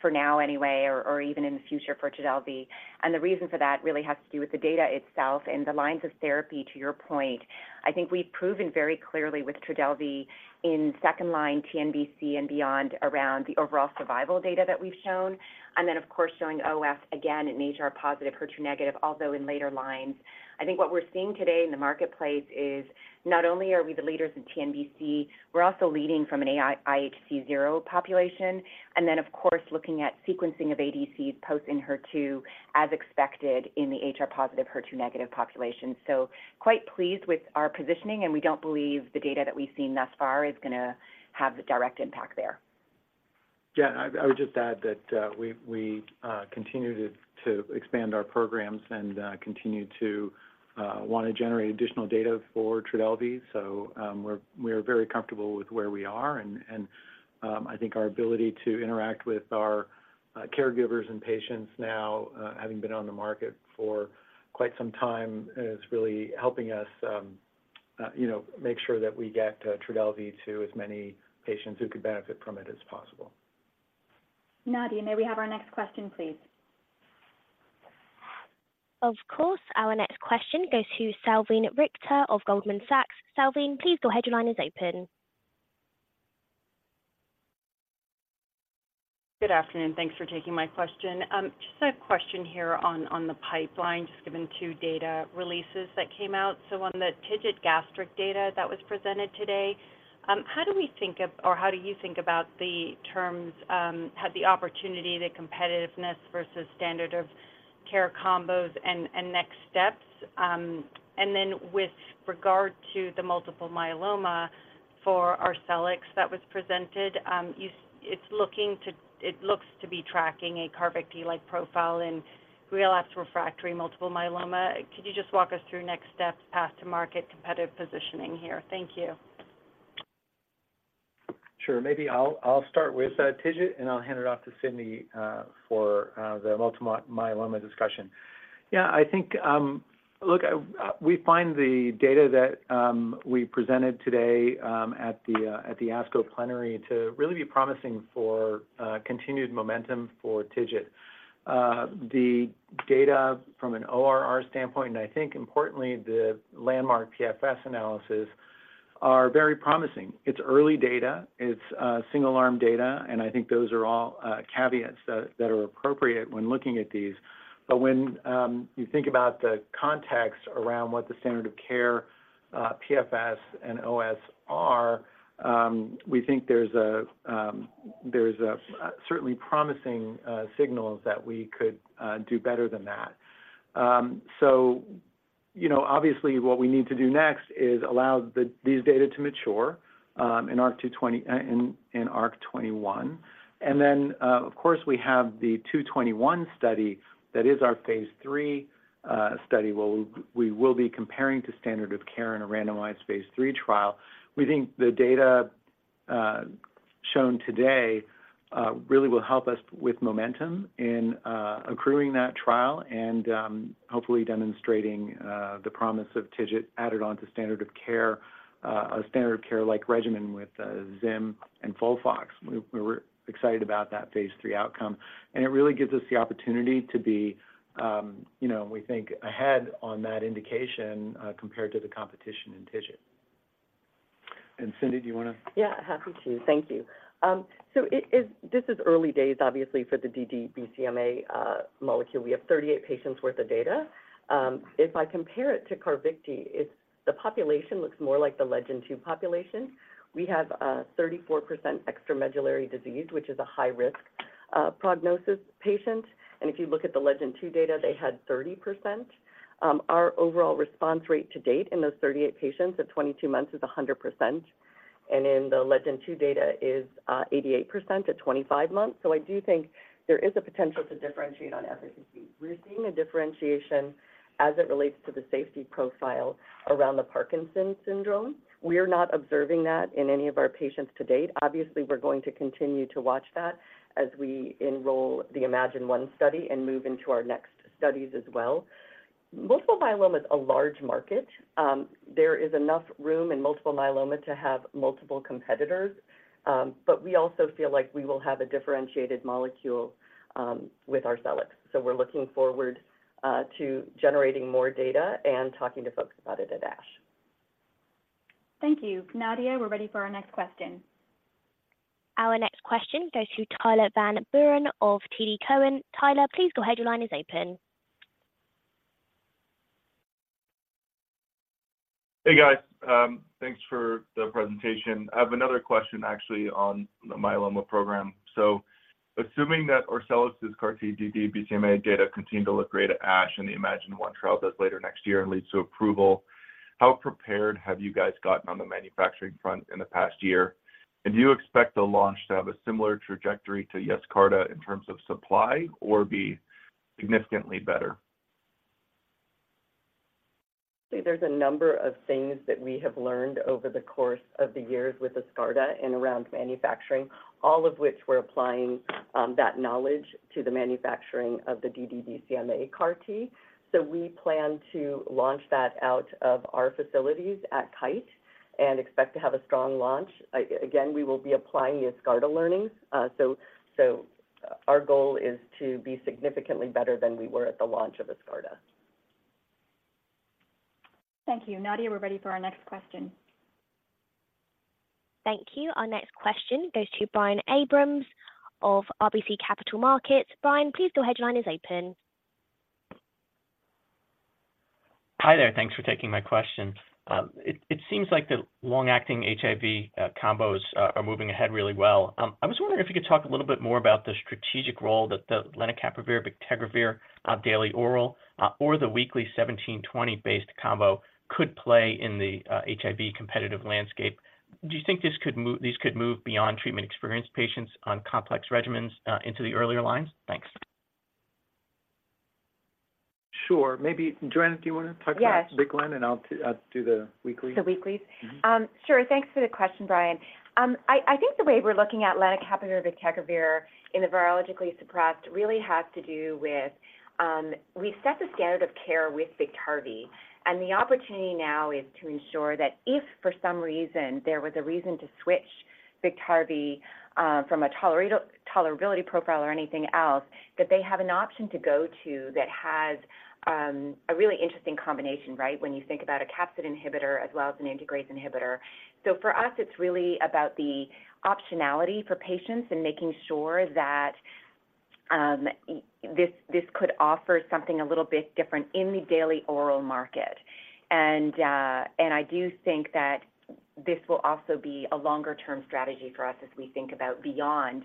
for now anyway, or even in the future for Trodelvy. And the reason for that really has to do with the data itself and the lines of therapy, to your point. I think we've proven very clearly with Trodelvy in second-line TNBC and beyond around the overall survival data that we've shown, and then, of course, showing OS again in HR-positive, HER2-negative, although in later lines. I think what we're seeing today in the marketplace is not only are we the leaders in TNBC, we're also leading from an IHC zero population, and then, of course, looking at sequencing of ADCs post in HER2, as expected in the HR-positive, HER2-negative population. So quite pleased with our positioning, and we don't believe the data that we've seen thus far is going to have the direct impact there. Yeah, I would just add that we continue to expand our programs and continue to want to generate additional data for Trodelvy. So, we're very comfortable with where we are, and I think our ability to interact with our caregivers and patients now, having been on the market for quite some time, is really helping us, you know, make sure that we get Trodelvy to as many patients who could benefit from it as possible. Nadia, may we have our next question, please? Of course. Our next question goes to Salveen Richter of Goldman Sachs. Salveen, please, your line is open. Good afternoon, thanks for taking my question. Just a question here on the pipeline, just given two data releases that came out. So on the TIGIT gastric data that was presented today, how do we think of, or how do you think about the terms, have the opportunity, the competitiveness versus standard of care combos and next steps? And then with regard to the multiple myeloma for Arcellx that was presented, it looks to be tracking a Carvykti-like profile in relapsed refractory multiple myeloma. Could you just walk us through next steps, path to market, competitive positioning here? Thank you. Sure. Maybe I'll start with TIGIT, and I'll hand it off to Cindy for the multiple myeloma discussion. Yeah, I think, look, we find the data that we presented today at the ASCO plenary to really be promising for continued momentum for TIGIT. The data from an ORR standpoint, and I think importantly, the landmark PFS analysis, are very promising. It's early data, it's single-arm data, and I think those are all caveats that are appropriate when looking at these. But when you think about the context around what the standard of care PFS and OS are, we think there's certainly promising signals that we could do better than that. So you know, obviously, what we need to do next is allow these data to mature in ARC 220, in ARC 21. And then, of course, we have the 221 study that is our phase III study, where we will be comparing to standard of care in a randomized phase III trial. We think the data shown today really will help us with momentum in accruing that trial and hopefully demonstrating the promise of TIGIT added on to standard of care, a standard of care-like regimen with Zim and FOLFOX. We were excited about that phase III outcome, and it really gives us the opportunity to be, you know, we think ahead on that indication compared to the competition in TIGIT. And Cindy, do you want to- Yeah, happy to. Thank you. So it is—this is early days, obviously, for the ddBCMA molecule. We have 38 patients worth of data. If I compare it to Carvykti, it's—the population looks more like the LEGEND-2 population. We have 34% extramedullary disease, which is a high-risk prognosis patient. And if you look at the LEGEND-2 data, they had 30%. Our overall response rate to date in those 38 patients at 22 months is 100%, and in the LEGEND-2 data is 88% at 25 months. So I do think there is a potential to differentiate on efficacy. We're seeing a differentiation as it relates to the safety profile around the Parkinson's syndrome. We are not observing that in any of our patients to date. Obviously, we're going to continue to watch that as we enroll the Imagine 1 study and move into our next studies as well. Multiple myeloma is a large market. There is enough room in multiple myeloma to have multiple competitors, but we also feel like we will have a differentiated molecule with Arcellx. So we're looking forward to generating more data and talking to folks about it at ASH. Thank you. Nadia, we're ready for our next question. Our next question goes to Tyler Van Buren of TD Cowen. Tyler, please go ahead. Your line is open. Hey, guys. Thanks for the presentation. I have another question, actually, on the myeloma program. So assuming that Arcellx's CAR-T ddBCMA data continue to look great at ASH, and the Imagine One trial does later next year and leads to approval, how prepared have you guys gotten on the manufacturing front in the past year? And do you expect the launch to have a similar trajectory to Yescarta in terms of supply or be significantly better? There's a number of things that we have learned over the course of the years with Yescarta and around manufacturing, all of which we're applying that knowledge to the manufacturing of the ddBCMA CAR T. So we plan to launch that out of our facilities at Kite and expect to have a strong launch. Again, we will be applying the Yescarta learnings, so our goal is to be significantly better than we were at the launch of Yescarta. Thank you. Nadia, we're ready for our next question. Thank you. Our next question goes to Brian Abrahams of RBC Capital Markets. Brian, please go ahead, your line is open. Hi there. Thanks for taking my question. It seems like the long-acting HIV combos are moving ahead really well. I was wondering if you could talk a little bit more about the strategic role that the lenacapavir, bictegravir, daily oral, or the weekly GS-1720-based combo could play in the HIV competitive landscape. Do you think these could move beyond treatment-experienced patients on complex regimens into the earlier lines? Thanks. Sure. Maybe, Johanna, do you want to talk about- Yes. The weekly, and I'll do the weekly? The weeklies? Mm-hmm. Sure. Thanks for the question, Brian. I think the way we're looking at lenacapavir, bictegravir in the virologically suppressed really has to do with, we've set the standard of care with Biktarvy, and the opportunity now is to ensure that if for some reason there was a reason to switch Biktarvy, from a tolerability profile or anything else, that they have an option to go to that has, a really interesting combination, right? When you think about a capsid inhibitor as well as an integrase inhibitor. So for us, it's really about the optionality for patients and making sure that, this could offer something a little bit different in the daily oral market. And, and I do think that this will also be a longer-term strategy for us as we think about beyond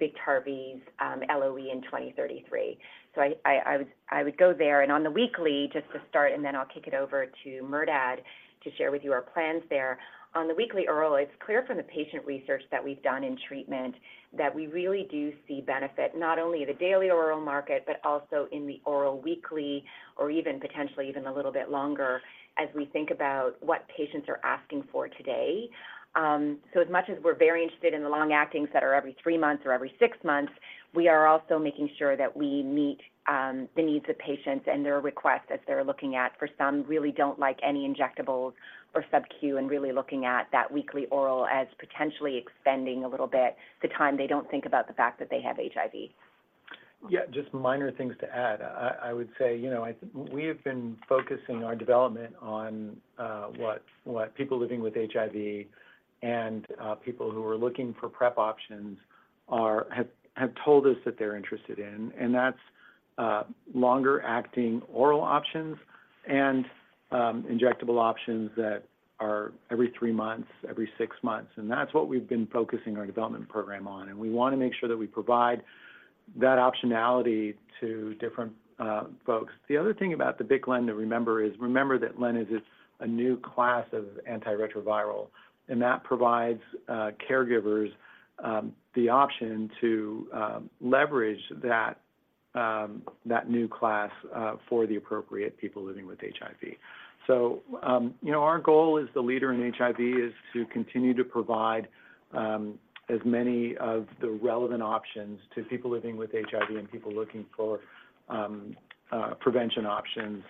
Biktarvy's, LOE in 2033. So I would go there. And on the weekly, just to start, and then I'll kick it over to Merdad to share with you our plans there. On the weekly oral, it's clear from the patient research that we've done in treatment that we really do see benefit not only in the daily oral market, but also in the oral weekly, or even potentially even a little bit longer, as we think about what patients are asking for today. So as much as we're very interested in the long-acting that are every three months or every six months, we are also making sure that we meet the needs of patients and their requests as they're looking at, for some really don't like any injectables or subQ, and really looking at that weekly oral as potentially extending a little bit the time they don't think about the fact that they have HIV. Yeah, just minor things to add. I would say, you know, we have been focusing our development on what people living with HIV and people who are looking for PrEP options have told us that they're interested in, and that's longer-acting oral options and injectable options that are every 3 months, every 6 months. And that's what we've been focusing our development program on, and we want to make sure that we provide that optionality to different folks. The other thing about the bictegravir to remember is, remember that len is a new class of antiretroviral, and that provides caregivers the option to leverage that new class for the appropriate people living with HIV. So, you know, our goal as the leader in HIV is to continue to provide as many of the relevant options to people living with HIV and people looking for prevention options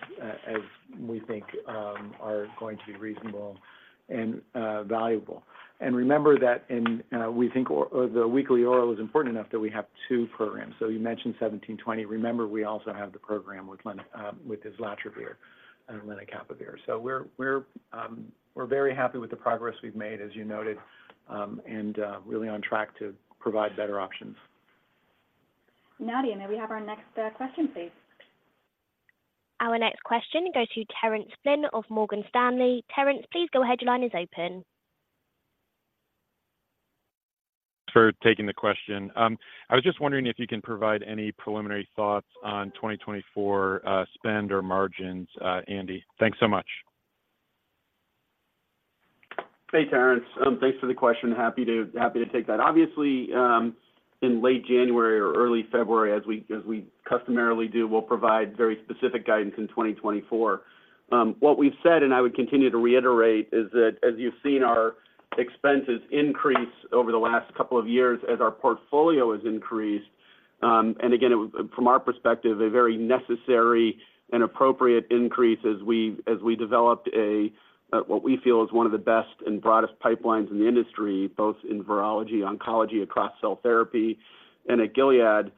as we think are going to be reasonable and valuable. And remember that we think the weekly oral is important enough that we have two programs. So you mentioned 1720. Remember, we also have the program with lenacapavir with islatravir and lenacapavir. So we're very happy with the progress we've made, as you noted and really on track to provide better options. Nadia, may we have our next question, please? Our next question goes to Terence Flynn of Morgan Stanley. Terence, please go ahead. Your line is open. Thanks for taking the question. I was just wondering if you can provide any preliminary thoughts on 2024, spend or margins, Andy. Thanks so much. Hey, Terence. Thanks for the question. Happy to, happy to take that. Obviously, in late January or early February, as we, as we customarily do, we'll provide very specific guidance in 2024. What we've said, and I would continue to reiterate, is that as you've seen our expenses increase over the last couple of years as our portfolio has increased-... And again, from our perspective, a very necessary and appropriate increase as we, as we developed a, what we feel is one of the best and broadest pipelines in the industry, both in virology, oncology, across cell therapy. And at Gilead,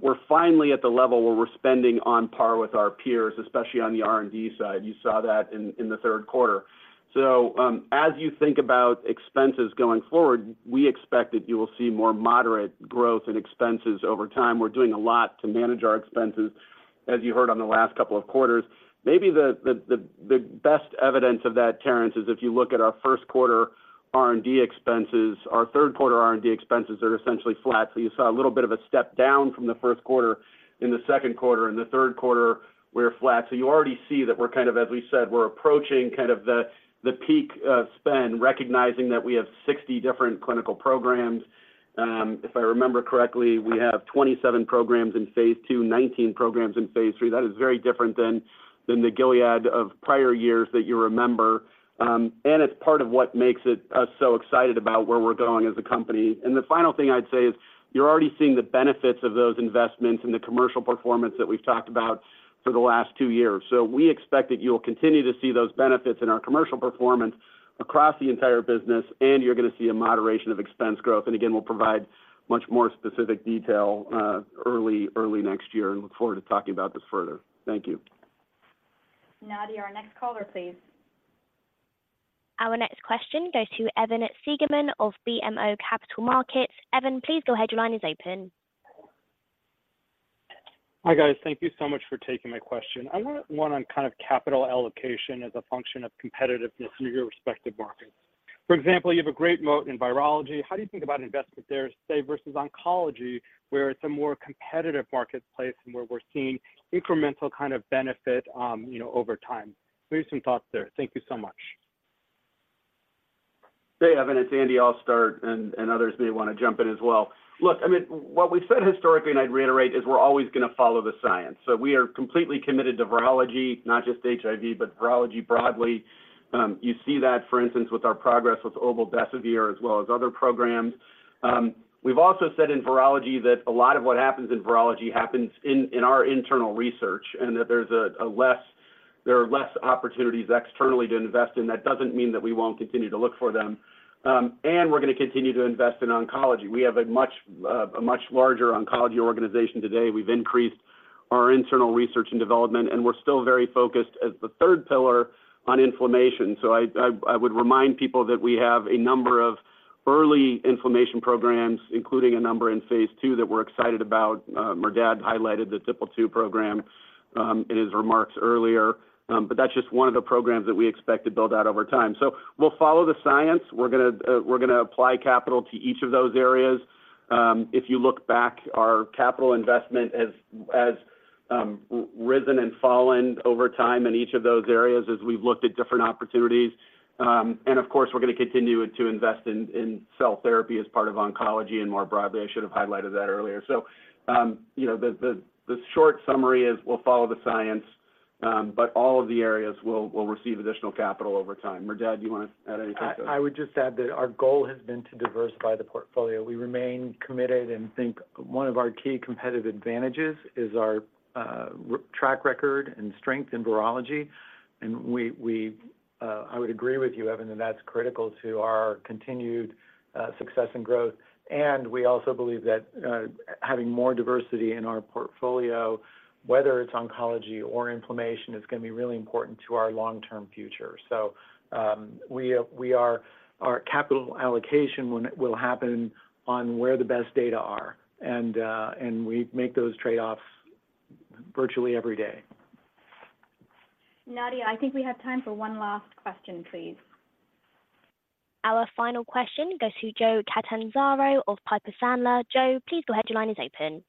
we're finally at the level where we're spending on par with our peers, especially on the R&D side. You saw that in, in the third quarter. So, as you think about expenses going forward, we expect that you will see more moderate growth in expenses over time. We're doing a lot to manage our expenses, as you heard on the last couple of quarters. Maybe the best evidence of that, Terence, is if you look at our first quarter R&D expenses, our third quarter R&D expenses are essentially flat. So you saw a little bit of a step down from the first quarter in the second quarter, in the third quarter we're flat. So you already see that we're kind of, as we said, we're approaching kind of the peak spend, recognizing that we have 60 different clinical programs. If I remember correctly, we have 27 programs in phase II, 19 programs in phase III. That is very different than the Gilead of prior years that you remember. And it's part of what makes it us so excited about where we're going as a company. And the final thing I'd say is, you're already seeing the benefits of those investments in the commercial performance that we've talked about for the last two years. So we expect that you'll continue to see those benefits in our commercial performance across the entire business, and you're going to see a moderation of expense growth. And again, we'll provide much more specific detail early, early next year, and look forward to talking about this further. Thank you. Nadia, our next caller, please. Our next question goes to Evan Seigerman of BMO Capital Markets. Evan, please. Your line is open. Hi, guys. Thank you so much for taking my question. I want one on kind of capital allocation as a function of competitiveness in your respective markets. For example, you have a great moat in virology. How do you think about investment there, say, versus oncology, where it's a more competitive marketplace and where we're seeing incremental kind of benefit, you know, over time? Give me some thoughts there. Thank you so much. Hey, Evan, it's Andy. I'll start, and others may want to jump in as well. Look, I mean, what we've said historically, and I'd reiterate, is we're always going to follow the science. So we are completely committed to virology, not just HIV, but virology broadly. You see that, for instance, with our progress with obeldesivir as well as other programs. We've also said in virology that a lot of what happens in virology happens in our internal research, and that there are less opportunities externally to invest in. That doesn't mean that we won't continue to look for them. And we're going to continue to invest in oncology. We have a much larger oncology organization today. We've increased our internal research and development, and we're still very focused as the third pillar on inflammation. So I would remind people that we have a number of early inflammation programs, including a number in phase II, that we're excited about. Merdad highlighted the TYK2 program in his remarks earlier. But that's just one of the programs that we expect to build out over time. So we'll follow the science. We're going to, we're going to apply capital to each of those areas. If you look back, our capital investment has risen and fallen over time in each of those areas as we've looked at different opportunities. And of course, we're going to continue to invest in cell therapy as part of oncology and more broadly. I should have highlighted that earlier. You know, the short summary is we'll follow the science, but all of the areas will receive additional capital over time. Merdad, do you want to add anything to that? I would just add that our goal has been to diversify the portfolio. We remain committed and think one of our key competitive advantages is our track record and strength in virology. I would agree with you, Evan, that that's critical to our continued success and growth. We also believe that having more diversity in our portfolio, whether it's oncology or inflammation, is going to be really important to our long-term future. So, our capital allocation will happen on where the best data are, and we make those trade-offs virtually every day. Nadia, I think we have time for one last question, please. Our final question goes to Joe Catanzaro of Piper Sandler. Joe, please go ahead, your line is open.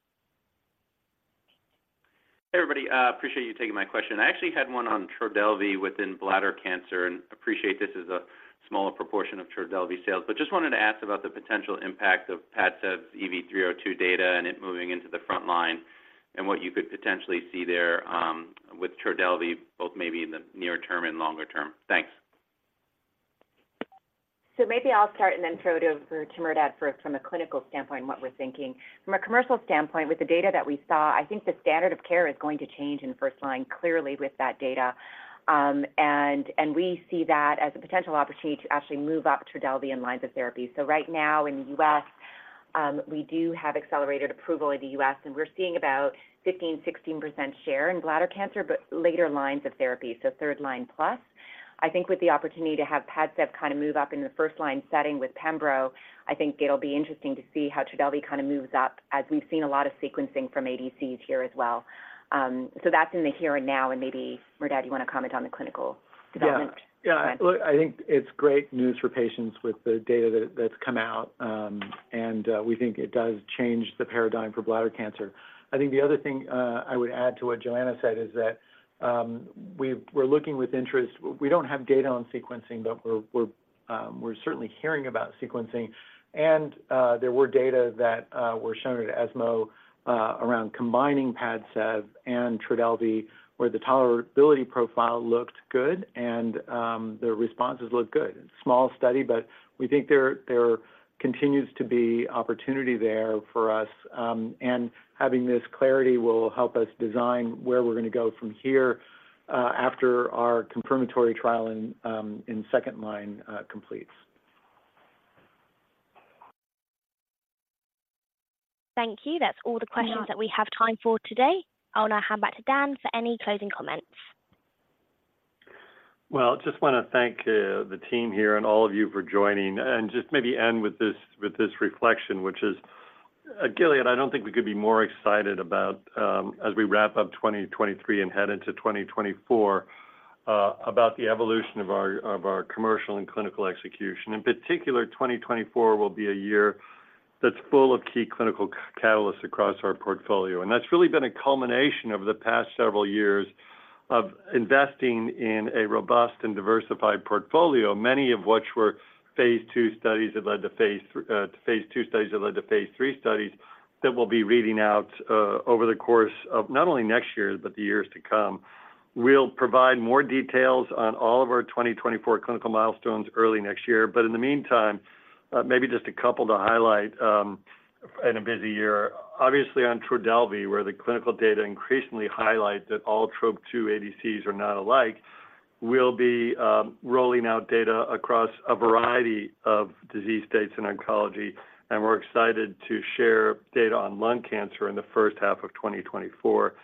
Hey, everybody, appreciate you taking my question. I actually had one on Trodelvy within bladder cancer, and appreciate this is a smaller proportion of Trodelvy sales. But just wanted to ask about the potential impact of Padcev's EV-302 data and it moving into the front line, and what you could potentially see there, with Trodelvy, both maybe in the near term and longer term. Thanks. So maybe I'll start and then throw it over to Merdad first from a clinical standpoint, what we're thinking. From a commercial standpoint, with the data that we saw, I think the standard of care is going to change in first line, clearly with that data. And we see that as a potential opportunity to actually move up Trodelvy in lines of therapy. So right now in the U.S., we do have accelerated approval in the U.S., and we're seeing about 15-16% share in bladder cancer, but later lines of therapy, so third line plus. I think with the opportunity to have Padcev kind of move up in the first line setting with pembro, I think it'll be interesting to see how Trodelvy kind of moves up as we've seen a lot of sequencing from ADCs here as well. So that's in the here and now, and maybe, Merdad, you want to comment on the clinical development? Yeah. Yeah, look, I think it's great news for patients with the data that's come out, and we think it does change the paradigm for bladder cancer. I think the other thing I would add to what Johanna said is that we're looking with interest. We don't have data on sequencing, but we're certainly hearing about sequencing. And there were data that were shown at ESMO around combining Padcev and Trodelvy, where the tolerability profile looked good and the responses looked good. Small study, but we think there continues to be opportunity there for us, and having this clarity will help us design where we're going to go from here after our confirmatory trial in second line completes. Thank you. That's all the questions that we have time for today. I'll now hand back to Dan for any closing comments. Well, just wanna thank the team here and all of you for joining, and just maybe end with this, with this reflection, which is, at Gilead, I don't think we could be more excited about, as we wrap up 2023 and head into 2024, about the evolution of our, of our commercial and clinical execution. In particular, 2024 will be a year that's full of key clinical catalysts across our portfolio, and that's really been a culmination over the past several years of investing in a robust and diversified portfolio, many of which phase II studies that phase III studies that we'll be reading out, over the course of not only next year, but the years to come. We'll provide more details on all of our 2024 clinical milestones early next year, but in the meantime, maybe just a couple to highlight in a busy year. Obviously, on Trodelvy, where the clinical data increasingly highlight that all Trop-2 ADCs are not alike, we'll be rolling out data across a variety of disease states in oncology, and we're excited to share data on lung cancer in the first half of 2024.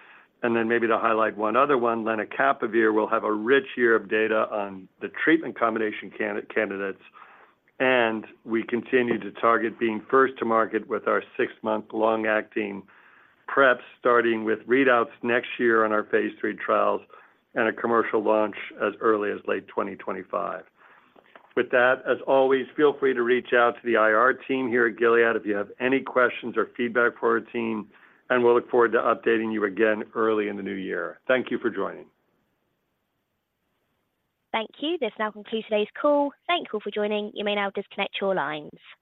And then maybe to highlight one other one, lenacapavir will have a rich year of data on the treatment combination candidates, and we continue to target being first to market with our six-month long-acting PrEP, starting with readouts next year on our phase III trials and a commercial launch as early as late 2025. With that, as always, feel free to reach out to the IR team here at Gilead if you have any questions or feedback for our team, and we'll look forward to updating you again early in the new year. Thank you for joining. Thank you. This now concludes today's call. Thank you all for joining. You may now disconnect your lines.